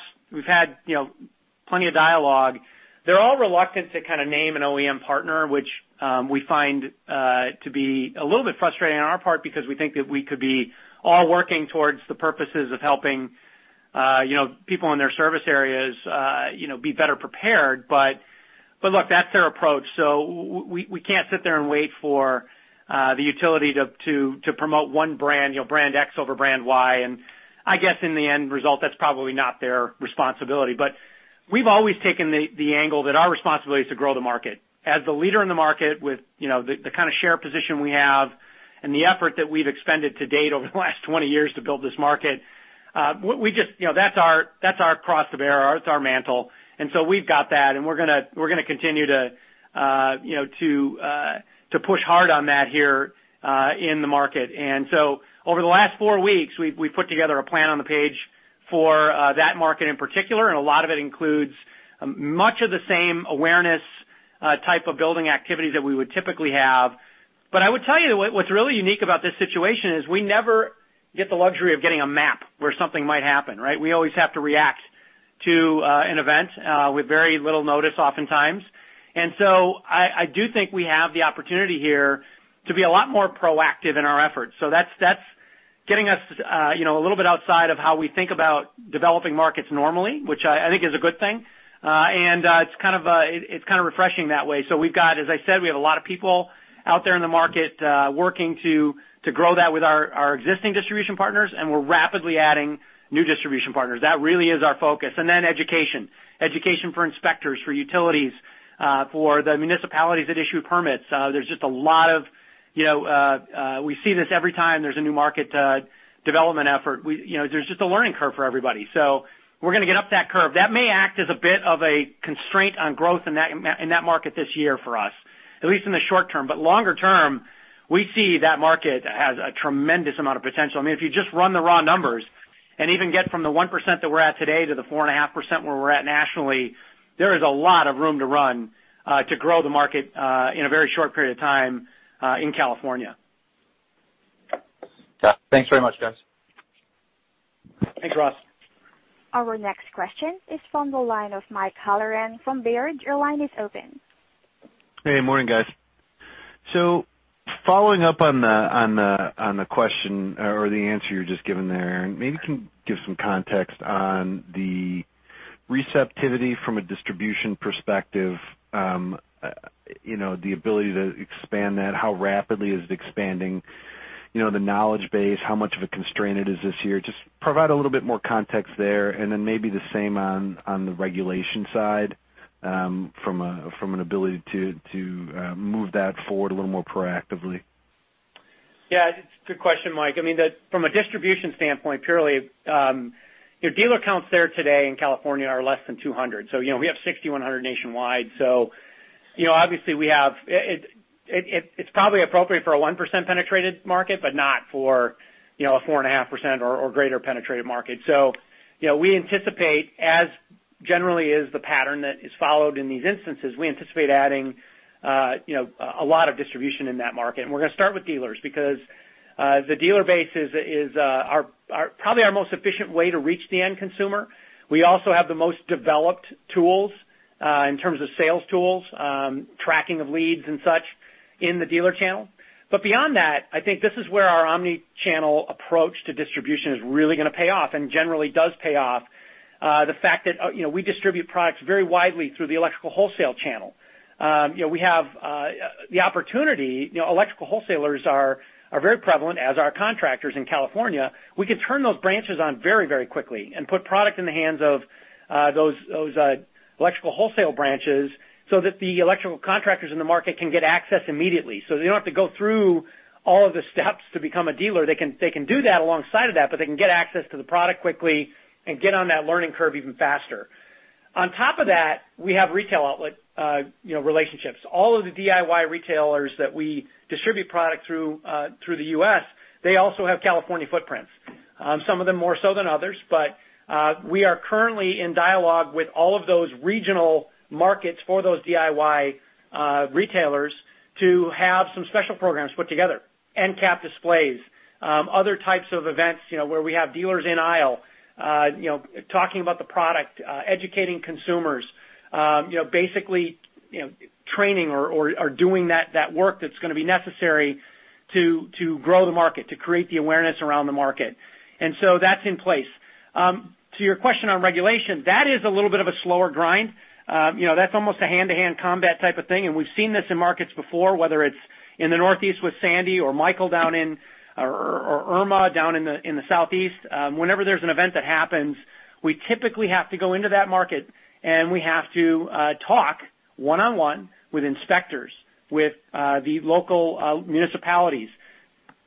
plenty of dialogue. They're all reluctant to name an OEM partner, which we find to be a little bit frustrating on our part because we think that we could be all working towards the purposes of helping people in their service areas be better prepared. Look, that's their approach, so we can't sit there and wait for the utility to promote one brand X over brand Y. I guess in the end result, that's probably not their responsibility. We've always taken the angle that our responsibility is to grow the market. As the leader in the market with the kind of share position we have and the effort that we've expended to date over the last 20 years to build this market, that's our cross to bear. It's our mantle. We've got that, and we're going to continue to push hard on that here in the market. Over the last four weeks, we've put together a plan on the page for that market in particular, and a lot of it includes much of the same awareness type of building activities that we would typically have. I would tell you what's really unique about this situation is we never get the luxury of getting a map where something might happen, right? We always have to react to an event with very little notice oftentimes. I do think we have the opportunity here to be a lot more proactive in our efforts. That's getting us a little bit outside of how we think about developing markets normally, which I think is a good thing. It's kind of refreshing that way. As I said, we have a lot of people out there in the market working to grow that with our existing distribution partners, and we're rapidly adding new distribution partners. That really is our focus. Then education. Education for inspectors, for utilities, for the municipalities that issue permits. We see this every time there's a new market development effort. There's just a learning curve for everybody. We're going to get up that curve. That may act as a bit of a constraint on growth in that market this year for us, at least in the short term. Longer term, we see that market has a tremendous amount of potential. If you just run the raw numbers and even get from the 1% that we're at today to the 4.5% where we're at nationally, there is a lot of room to run to grow the market in a very short period of time in California. Thanks very much, guys. Thanks, Ross. Our next question is from the line of Mike Halloran from Baird. Your line is open. Morning, guys. Following up on the question or the answer you're just given there, maybe you can give some context on the receptivity from a distribution perspective, the ability to expand that, how rapidly is it expanding, the knowledge base, how much of a constraint it is this year. Just provide a little bit more context there, and then maybe the same on the regulation side from an ability to move that forward a little more proactively. Yeah. It's a good question, Mike. From a distribution standpoint purely, dealer counts there today in California are less than 200. We have 6,100 nationwide. Obviously, it's probably appropriate for a 1% penetrated market, but not for a 4.5% or greater penetrated market. We anticipate, as generally is the pattern that is followed in these instances, we anticipate adding a lot of distribution in that market. We're going to start with dealers because the dealer base is probably our most efficient way to reach the end consumer. We also have the most developed tools in terms of sales tools, tracking of leads, and such in the dealer channel. Beyond that, I think this is where our omni-channel approach to distribution is really going to pay off and generally does pay off. The fact that we distribute products very widely through the electrical wholesale channel. We have the opportunity. Electrical wholesalers are very prevalent as are contractors in California. We can turn those branches on very quickly and put product in the hands of those electrical wholesale branches so that the electrical contractors in the market can get access immediately. They don't have to go through all of the steps to become a dealer. They can do that alongside of that, they can get access to the product quickly and get on that learning curve even faster. On top of that, we have retail outlet relationships. All of the DIY retailers that we distribute product through the U.S., they also have California footprints. Some of them more so than others. We are currently in dialogue with all of those regional markets for those DIY retailers to have some special programs put together, end cap displays, other types of events where we have dealers in aisle talking about the product, educating consumers. Basically, training or doing that work that's going to be necessary to grow the market, to create the awareness around the market. That's in place. To your question on regulation, that is a little bit of a slower grind. That's almost a hand-to-hand combat type of thing, we've seen this in markets before, whether it's in the Northeast with Sandy or Irma down in the Southeast. Whenever there's an event that happens, we typically have to go into that market, and we have to talk one-on-one with inspectors, with the local municipalities,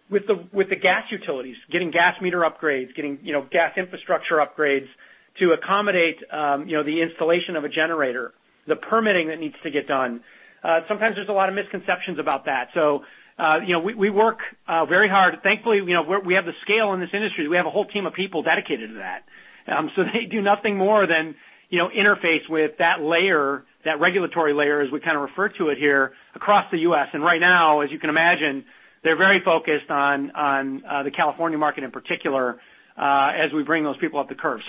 with the gas utilities, getting gas meter upgrades, getting gas infrastructure upgrades to accommodate the installation of a generator, the permitting that needs to get done. Sometimes there's a lot of misconceptions about that. We work very hard. Thankfully, we have the scale in this industry. We have a whole team of people dedicated to that. They do nothing more than interface with that regulatory layer as we kind of refer to it here across the U.S. Right now, as you can imagine, they're very focused on the California market in particular, as we bring those people up the curve.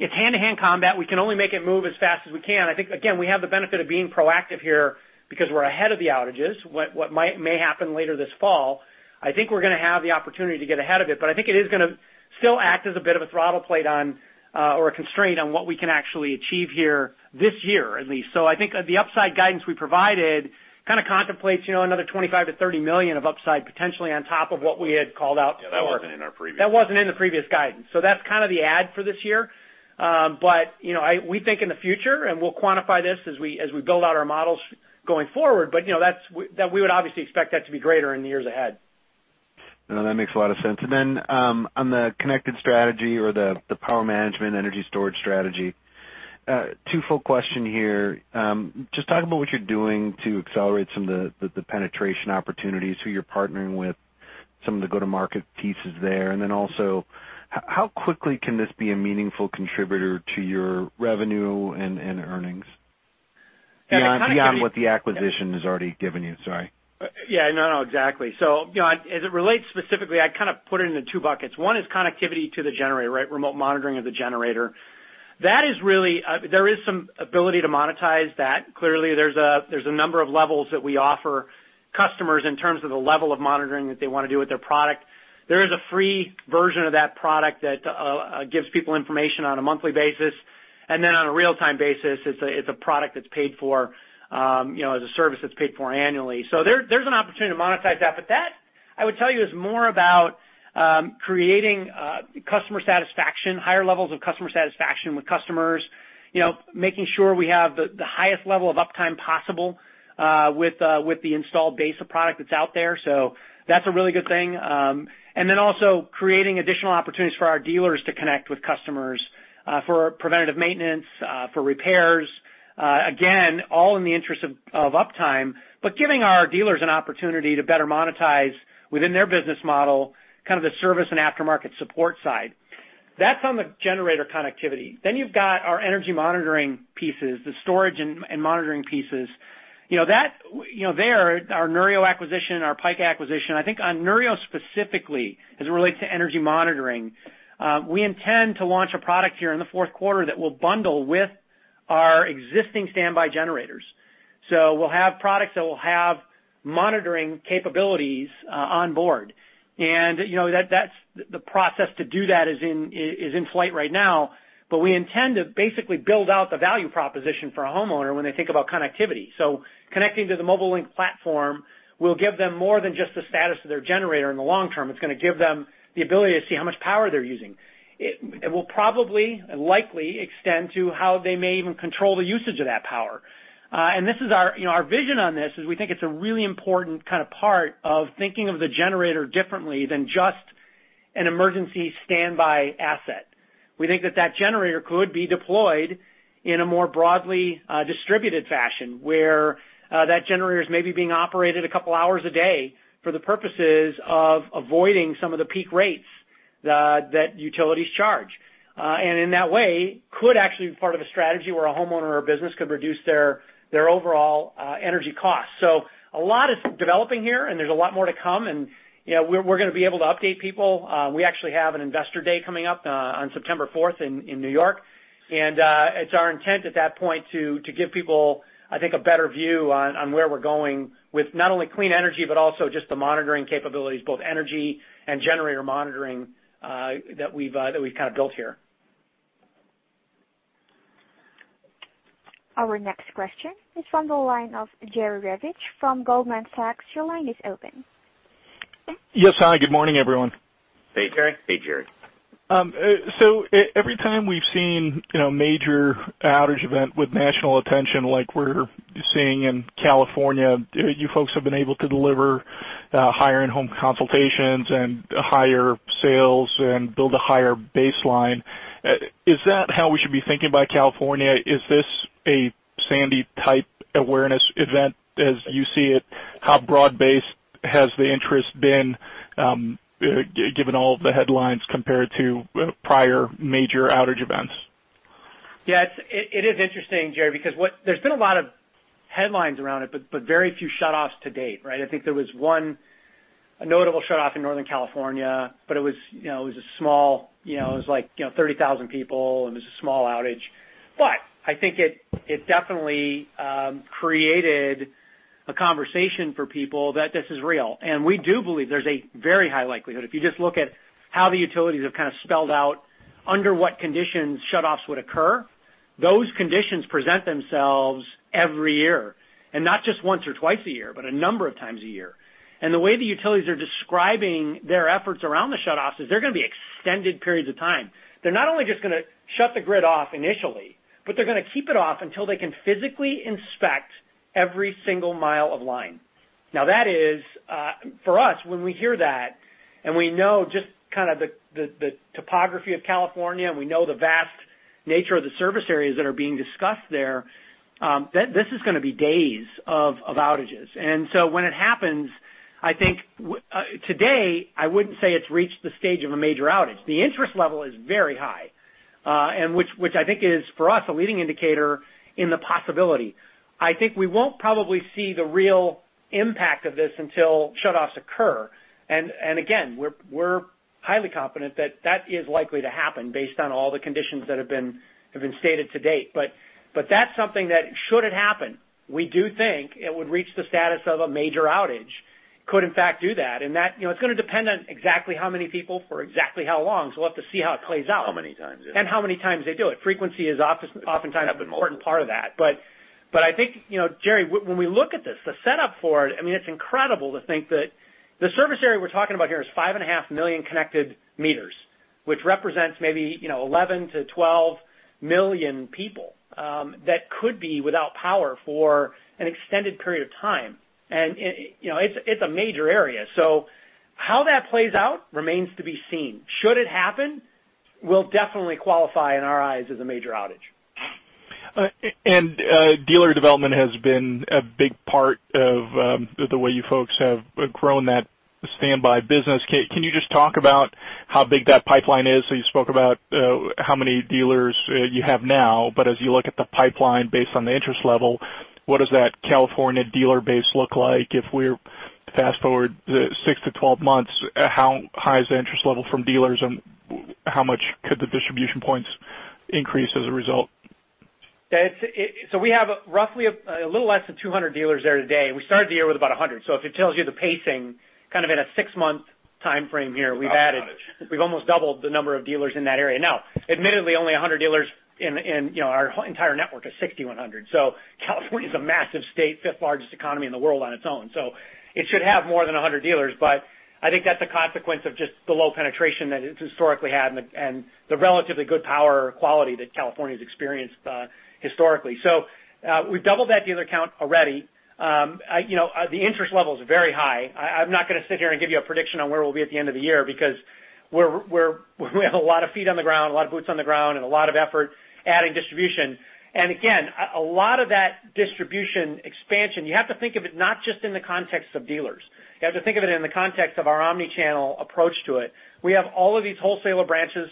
It's hand-to-hand combat. We can only make it move as fast as we can. I think, again, we have the benefit of being proactive here because we're ahead of the outages, what may happen later this fall. I think we're going to have the opportunity to get ahead of it. I think it is going to still act as a bit of a throttle plate on, or a constraint on what we can actually achieve here this year, at least. I think the upside guidance we provided kind of contemplates another $25 million-$30 million of upside, potentially on top of what we had called out for- Yeah, that wasn't in our previous- That wasn't in the previous guidance. That's kind of the add for this year. We think in the future, and we'll quantify this as we build out our models going forward, but we would obviously expect that to be greater in the years ahead. No, that makes a lot of sense. On the connected strategy or the power management energy storage strategy. Two-fold question here. Just talk about what you're doing to accelerate some of the penetration opportunities, who you're partnering with, some of the go-to-market pieces there. How quickly can this be a meaningful contributor to your revenue and earnings? Yeah. Connectivity- Beyond what the acquisition has already given you. Sorry. Yeah, no, exactly. As it relates specifically, I kind of put it into two buckets. One is connectivity to the generator, remote monitoring of the generator. There is some ability to monetize that. Clearly, there's a number of levels that we offer customers in terms of the level of monitoring that they want to do with their product. There is a free version of that product that gives people information on a monthly basis. On a real-time basis, it's a service that's paid for annually. There's an opportunity to monetize that. That, I would tell you, is more about creating higher levels of customer satisfaction with customers, making sure we have the highest level of uptime possible with the installed base of product that's out there. That's a really good thing. Also creating additional opportunities for our dealers to connect with customers, for preventative maintenance, for repairs. All in the interest of uptime, but giving our dealers an opportunity to better monetize within their business model, kind of the service and aftermarket support side. That's on the generator connectivity. You've got our energy monitoring pieces, the storage and monitoring pieces. There, our Neurio acquisition and our Pika acquisition. I think on Neurio specifically, as it relates to energy monitoring, we intend to launch a product here in the fourth quarter that will bundle with our existing standby generators. We'll have products that will have monitoring capabilities on board. The process to do that is in flight right now, but we intend to basically build out the value proposition for a homeowner when they think about connectivity. Connecting to the Mobile Link platform will give them more than just the status of their generator in the long term. It's going to give them the ability to see how much power they're using. It will probably, likely extend to how they may even control the usage of that power. Our vision on this is we think it's a really important part of thinking of the generator differently than just an emergency standby asset. We think that that generator could be deployed in a more broadly distributed fashion, where that generator is maybe being operated a couple hours a day for the purposes of avoiding some of the peak rates that utilities charge. In that way, could actually be part of a strategy where a homeowner or business could reduce their overall energy cost. A lot is developing here, and there's a lot more to come, and we're going to be able to update people. We actually have an investor day coming up on September 4th in New York. It's our intent at that point to give people, I think, a better view on where we're going with not only clean energy, but also just the monitoring capabilities, both energy and generator monitoring, that we've kind of built here. Our next question is from the line of Jerry Revich from Goldman Sachs. Your line is open. Yes. Hi, good morning, everyone. Hey, Jerry. Hey, Jerry. Every time we've seen major outage event with national attention like we're seeing in California, you folks have been able to deliver higher in-home consultations and higher sales and build a higher baseline. Is that how we should be thinking about California? Is this a Sandy-type awareness event as you see it? How broad-based has the interest been, given all of the headlines compared to prior major outage events? Yeah. It is interesting, Jerry, because there's been a lot of headlines around it, but very few shutoffs to date, right? I think there was one notable shutoff in Northern California, but it was like 30,000 people, and it was a small outage. I think it definitely created a conversation for people that this is real. We do believe there's a very high likelihood. If you just look at how the utilities have kind of spelled out under what conditions shutoffs would occur, those conditions present themselves every year, and not just once or twice a year, but a number of times a year. The way the utilities are describing their efforts around the shutoffs is they're going to be extended periods of time. They're not only just going to shut the grid off initially, but they're going to keep it off until they can physically inspect every single mile of line. Now that is, for us, when we hear that and we know just the topography of California, and we know the vast nature of the service areas that are being discussed there, this is going to be days of outages. When it happens, I think today I wouldn't say it's reached the stage of a major outage. The interest level is very high, and which I think is for us a leading indicator in the possibility. I think we won't probably see the real impact of this until shutoffs occur. Again we're highly confident that that is likely to happen based on all the conditions that have been stated to date. That's something that should it happen, we do think it would reach the status of a major outage. Could in fact do that. It's going to depend on exactly how many people for exactly how long, so we'll have to see how it plays out. How many times they do it. how many times they do it. Frequency is oftentimes Yep an important part of that. I think, Jerry, when we look at this, the setup for it's incredible to think that the service area we're talking about here is 5.5 million connected meters, which represents maybe 11 million to 12 million people that could be without power for an extended period of time. It's a major area. How that plays out remains to be seen. Should it happen, will definitely qualify in our eyes as a major outage. Dealer development has been a big part of the way you folks have grown that standby business. Can you just talk about how big that pipeline is? You spoke about how many dealers you have now, but as you look at the pipeline based on the interest level, what does that California dealer base look like if we were to fast-forward the six to 12 months? How high is the interest level from dealers and how much could the distribution points increase as a result? We have roughly a little less than 200 dealers there today, and we started the year with about 100. If it tells you the pacing kind of in a six-month timeframe here. Without an outage We've almost doubled the number of dealers in that area. Admittedly, only 100 dealers in our entire network of 6,100. California is a massive state, fifth largest economy in the world on its own. It should have more than 100 dealers. I think that's a consequence of just the low penetration that it's historically had and the relatively good power quality that California has experienced historically. We've doubled that dealer count already. The interest level is very high. I'm not going to sit here and give you a prediction on where we'll be at the end of the year because we have a lot of feet on the ground, a lot of boots on the ground, and a lot of effort adding distribution. Again, a lot of that distribution expansion, you have to think of it not just in the context of dealers. You have to think of it in the context of our omni-channel approach to it. We have all of these wholesale electrical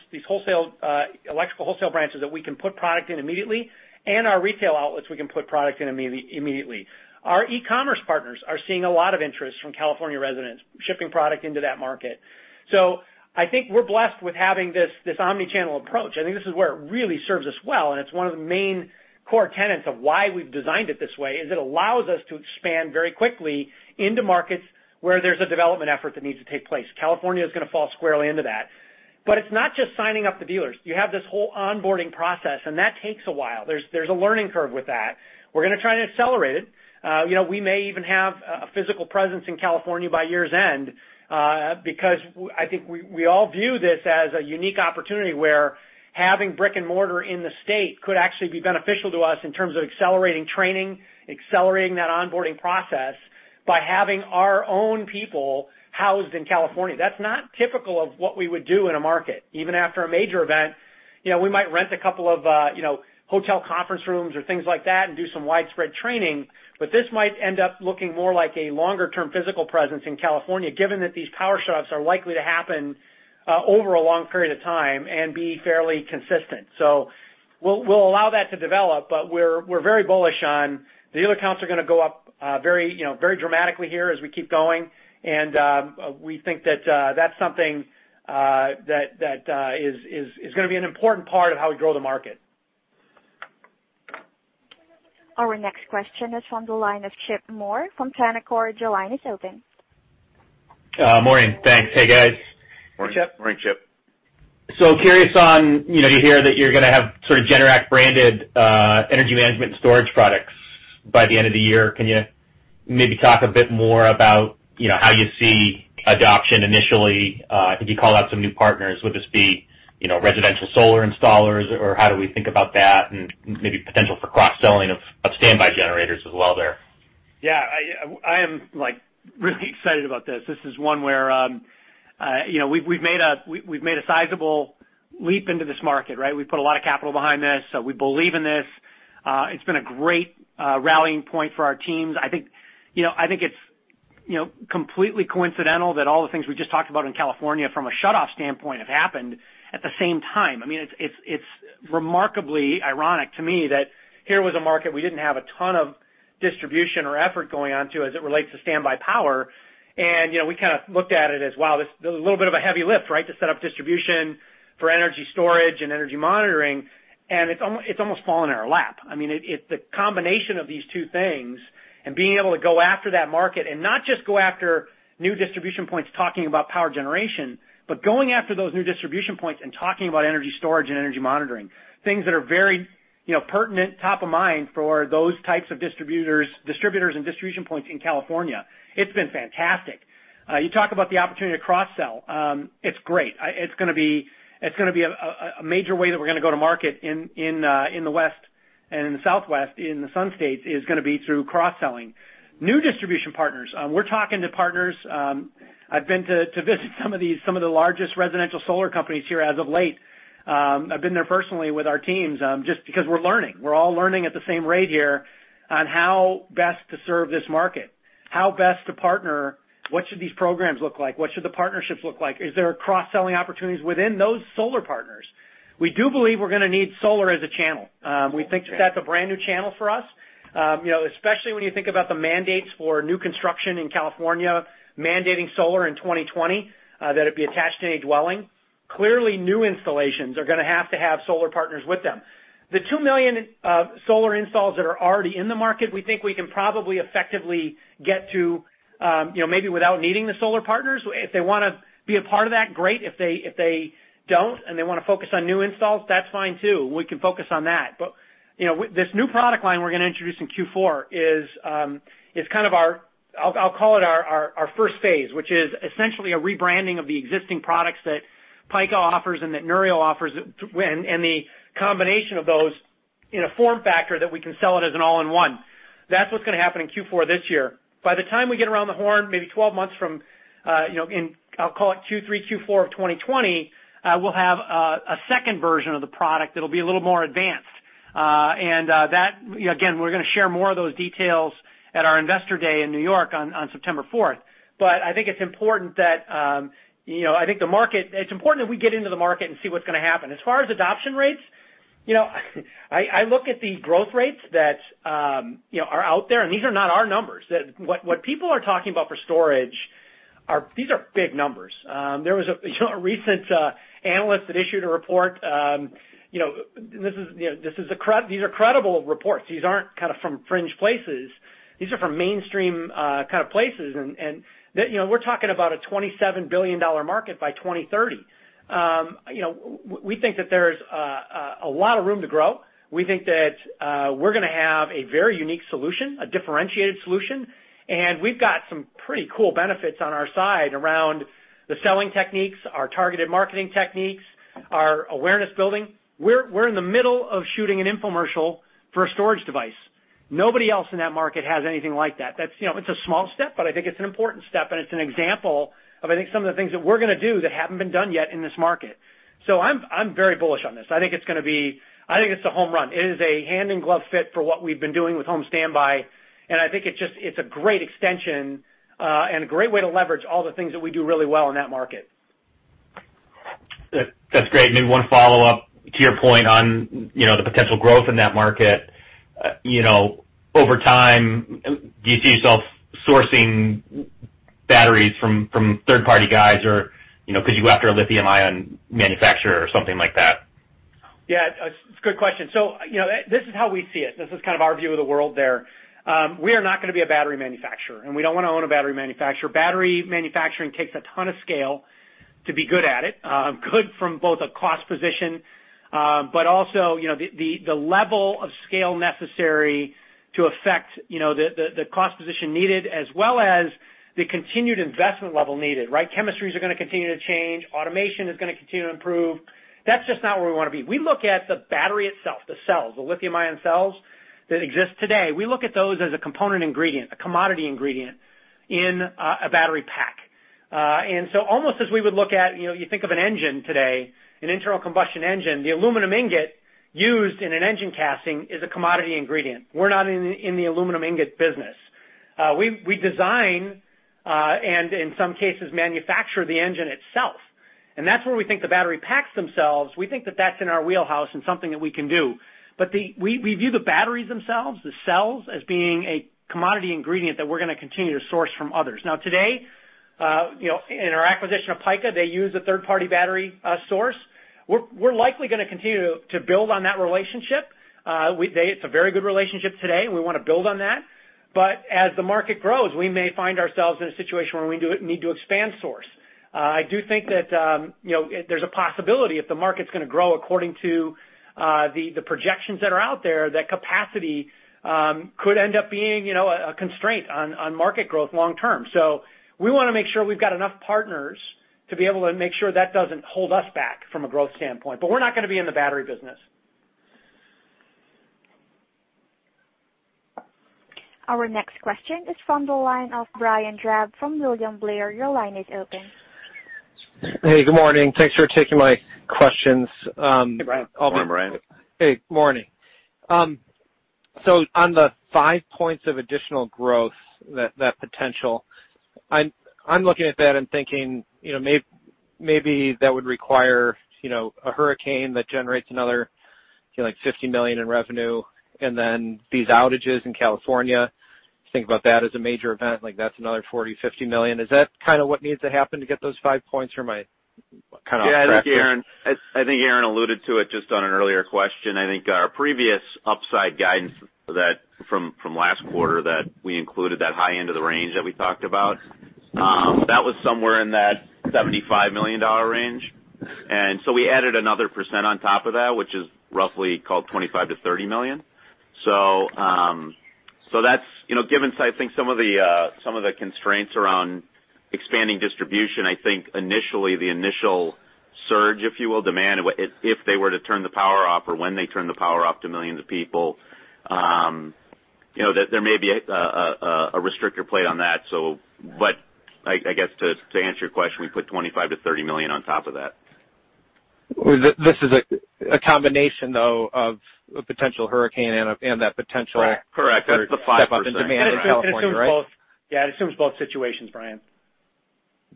wholesale branches that we can put product in immediately, and our retail outlets we can put product in immediately. Our e-commerce partners are seeing a lot of interest from California residents shipping product into that market. I think we're blessed with having this omni-channel approach. I think this is where it really serves us well, and it's one of the main core tenets of why we've designed it this way, is it allows us to expand very quickly into markets where there's a development effort that needs to take place. California is going to fall squarely into that. It's not just signing up the dealers. You have this whole onboarding process, and that takes a while. There's a learning curve with that. We're going to try and accelerate it. We may even have a physical presence in California by year's end because I think we all view this as a unique opportunity where having brick and mortar in the state could actually be beneficial to us in terms of accelerating training, accelerating that onboarding process by having our own people housed in California. That's not typical of what we would do in a market, even after a major event. We might rent a couple of hotel conference rooms or things like that and do some widespread training, but this might end up looking more like a longer-term physical presence in California, given that these power shutoffs are likely to happen over a long period of time and be fairly consistent. We'll allow that to develop, we're very bullish on dealer counts are going to go up very dramatically here as we keep going. We think that's something that is going to be an important part of how we grow the market. Our next question is from the line of Chip Moore from Canaccord. Your line is open. Morning. Thanks. Hey, guys. Morning, Chip. Morning, Chip. Curious on, you hear that you're going to have sort of Generac-branded energy management storage products by the end of the year. Can you maybe talk a bit more about how you see adoption initially? I think you called out some new partners. Would this be residential solar installers? Or how do we think about that and maybe potential for cross-selling of home standby generators as well there? Yeah. I am really excited about this. This is one where we've made a sizable leap into this market, right? We put a lot of capital behind this, so we believe in this. It's been a great rallying point for our teams. I think it's completely coincidental that all the things we just talked about in California from a shutoff standpoint have happened at the same time. It's remarkably ironic to me that here was a market we didn't have a ton of distribution or effort going on to as it relates to standby power. We kind of looked at it as, wow, this is a little bit of a heavy lift, right? To set up distribution for energy storage and energy monitoring, and it's almost fallen in our lap. I mean, it's the combination of these two things and being able to go after that market and not just go after new distribution points, talking about power generation, but going after those new distribution points and talking about energy storage and energy monitoring, things that are very pertinent, top of mind for those types of distributors and distribution points in California. It's been fantastic. You talk about the opportunity to cross-sell. It's great. It's going to be a major way that we're going to go to market in the west and in the southwest, in the sun states, is going to be through cross-selling. New distribution partners. We're talking to partners. I've been to visit some of the largest residential solar companies here as of late. I've been there personally with our teams, just because we're learning. We're all learning at the same rate here on how best to serve this market. How best to partner, what should these programs look like, what should the partnerships look like? Is there cross-selling opportunities within those solar partners? We do believe we're going to need solar as a channel. We think that's a brand-new channel for us. Especially when you think about the mandates for new construction in California, mandating solar in 2020, that it be attached to any dwelling. Clearly, new installations are going to have to have solar partners with them. The 2 million solar installs that are already in the market, we think we can probably effectively get to maybe without needing the solar partners. If they want to be a part of that, great. If they don't, and they want to focus on new installs, that's fine, too. We can focus on that. This new product line we're going to introduce in Q4 is kind of our, I'll call it our first phase, which is essentially a rebranding of the existing products that Pika offers and that Neurio offers, and the combination of those in a form factor that we can sell it as an all-in-one. That's what's going to happen in Q4 this year. By the time we get around the horn, maybe 12 months from, I'll call it Q3, Q4 of 2020, we will have a second version of the product that will be a little more advanced. That, again, we're going to share more of those details at our Investor day in New York on September 4th. I think it's important that we get into the market and see what's going to happen. As far as adoption rates, I look at the growth rates that are out there, and these are not our numbers. What people are talking about for storage are, these are big numbers. There was a recent analyst that issued a report, these are credible reports. These aren't from fringe places. These are from mainstream kind of places. We're talking about a $27 billion market by 2030. We think that there's a lot of room to grow. We think that we're going to have a very unique solution, a differentiated solution, and we've got some pretty cool benefits on our side around the selling techniques, our targeted marketing techniques, our awareness building. We're in the middle of shooting an infomercial for a storage device. Nobody else in that market has anything like that. It's a small step, but I think it's an important step, and it's an example of, I think, some of the things that we're going to do that haven't been done yet in this market. I'm very bullish on this. I think it's a home run. It is a hand-in-glove fit for what we've been doing with home standby, and I think it's a great extension, and a great way to leverage all the things that we do really well in that market. That's great. Maybe one follow-up to your point on the potential growth in that market. Over time, do you see yourself sourcing batteries from third-party guys, or could you go after a lithium-ion manufacturer or something like that? Yeah. It's a good question. This is how we see it. This is kind of our view of the world there. We are not going to be a battery manufacturer, and we don't want to own a battery manufacturer. Battery manufacturing takes a ton of scale to be good at it. Good from both a cost position, but also, the level of scale necessary to affect the cost position needed, as well as the continued investment level needed, right? Chemistries are going to continue to change. Automation is going to continue to improve. That's just not where we want to be. We look at the battery itself, the cells, the lithium-ion cells that exist today. We look at those as a component ingredient, a commodity ingredient in a battery pack. Almost as we would look at, you think of an engine today, an internal combustion engine, the aluminum ingot used in an engine casting is a commodity ingredient. We're not in the aluminum ingot business. We design, and in some cases, manufacture the engine itself. That's where we think the battery packs themselves, we think that that's in our wheelhouse and something that we can do. We view the batteries themselves, the cells, as being a commodity ingredient that we're gonna continue to source from others. Now, today, in our acquisition of Pika, they use a third-party battery source. We're likely gonna continue to build on that relationship. It's a very good relationship today, and we want to build on that. As the market grows, we may find ourselves in a situation where we need to expand source. I do think that there's a possibility if the market's gonna grow according to the projections that are out there, that capacity could end up being a constraint on market growth long term. We want to make sure we've got enough partners to be able to make sure that doesn't hold us back from a growth standpoint, but we're not gonna be in the battery business. Our next question is from the line of Brian Drab from William Blair. Your line is open. Hey, good morning. Thanks for taking my questions. Hey, Brian. Good morning, Brian. Hey. Morning. On the five points of additional growth, that potential, I'm looking at that and thinking, Maybe that would require a hurricane that generates another $50 million in revenue and then these outages in California, think about that as a major event, like that's another $40 million, $50 million. Is that what needs to happen to get those five points or am I kind of off track there? Yeah. I think Aaron alluded to it just on an earlier question. I think our previous upside guidance from last quarter that we included that high end of the range that we talked about, that was somewhere in that $75 million range. We added another 1% on top of that, which is roughly called $25 million-$30 million. Given, I think some of the constraints around expanding distribution, I think initially the initial surge, if you will, demand, if they were to turn the power off or when they turn the power off to millions of people, there may be a restrictor plate on that. I guess to answer your question, we put $25 million-$30 million on top of that. This is a combination, though, of a potential hurricane and that. Correct. That's the 5%. step up in demand in California, right? Yeah, it assumes both situations, Brian.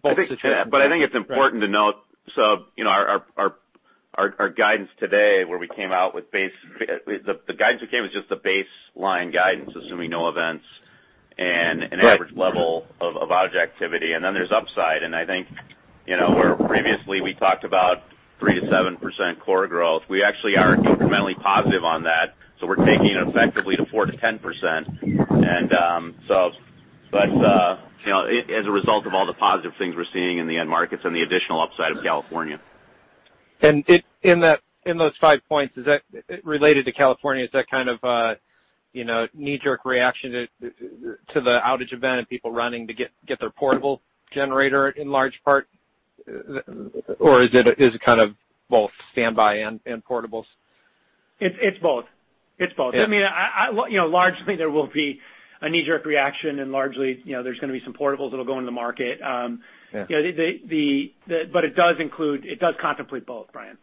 Both situations. I think it's important to note, our guidance today where we came out with the guidance that came was just the baseline guidance, assuming no events and an average level of outage activity. Then there's upside and I think, where previously we talked about 3%-7% core growth, we actually are incrementally positive on that. We're taking it effectively to 4%-10%. As a result of all the positive things we're seeing in the end markets and the additional upside of California. In those five points, is that related to California? Is that kind of a knee-jerk reaction to the outage event and people running to get their portable generator in large part? Is it kind of both standby and portables? It's both. Largely, there will be a knee-jerk reaction and largely, there's going to be some portables that'll go into the market. Yeah. It does contemplate both, Brian.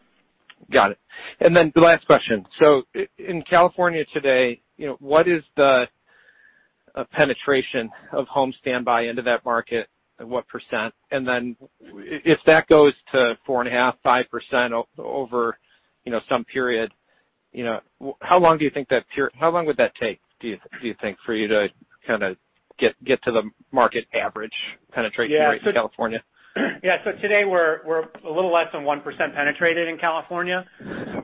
Got it. The last question. In California today, what is the penetration of home standby into that market? What %? If that goes to 4.5%-5% over some period, how long would that take, do you think, for you to get to the market average penetration rate in California? Yeah. Today we're a little less than 1% penetrated in California.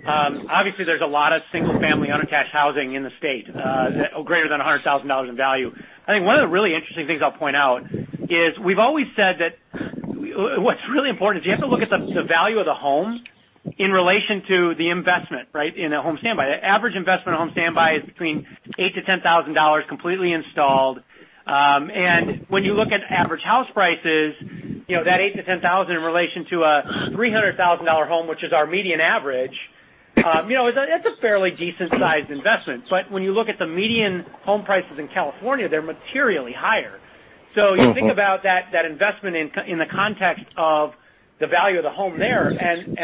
Obviously, there's a lot of single-family unattached housing in the state, greater than $100,000 in value. I think one of the really interesting things I'll point out is we've always said that what's really important is you have to look at the value of the home in relation to the investment in a home standby. The average investment in a home standby is between $8,000-$10,000 completely installed. When you look at average house prices, that $8,000-$10,000 in relation to a $300,000 home, which is our median average, it's a fairly decent-sized investment. When you look at the median home prices in California, they're materially higher. You think about that investment in the context of the value of the home there,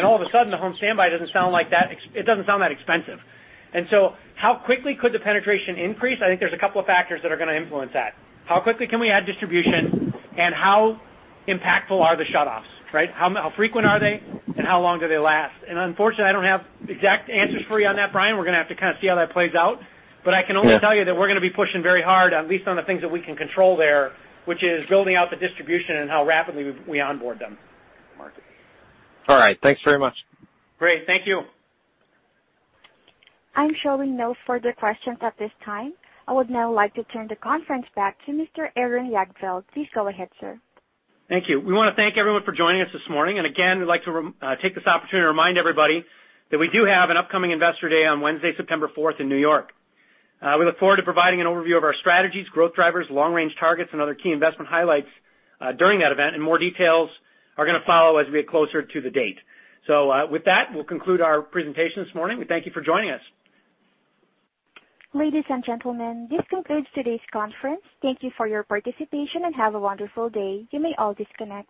all of a sudden, the home standby, it doesn't sound that expensive. How quickly could the penetration increase? I think there's a couple of factors that are going to influence that. How quickly can we add distribution and how impactful are the shutoffs? How frequent are they and how long do they last? Unfortunately, I don't have exact answers for you on that, Brian. We're going to have to kind of see how that plays out. Yeah. I can only tell you that we're going to be pushing very hard, at least on the things that we can control there, which is building out the distribution and how rapidly we onboard them. All right. Thanks very much. Great. Thank you. I'm showing no further questions at this time. I would now like to turn the conference back to Mr. Aaron Jagdfeld. Please go ahead, sir. Thank you. We want to thank everyone for joining us this morning. Again, we'd like to take this opportunity to remind everybody that we do have an upcoming Investor Day on Wednesday, September 4th in New York. We look forward to providing an overview of our strategies, growth drivers, long-range targets, and other key investment highlights during that event, more details are going to follow as we get closer to the date. With that, we'll conclude our presentation this morning. We thank you for joining us. Ladies and gentlemen, this concludes today's conference. Thank you for your participation and have a wonderful day. You may all disconnect.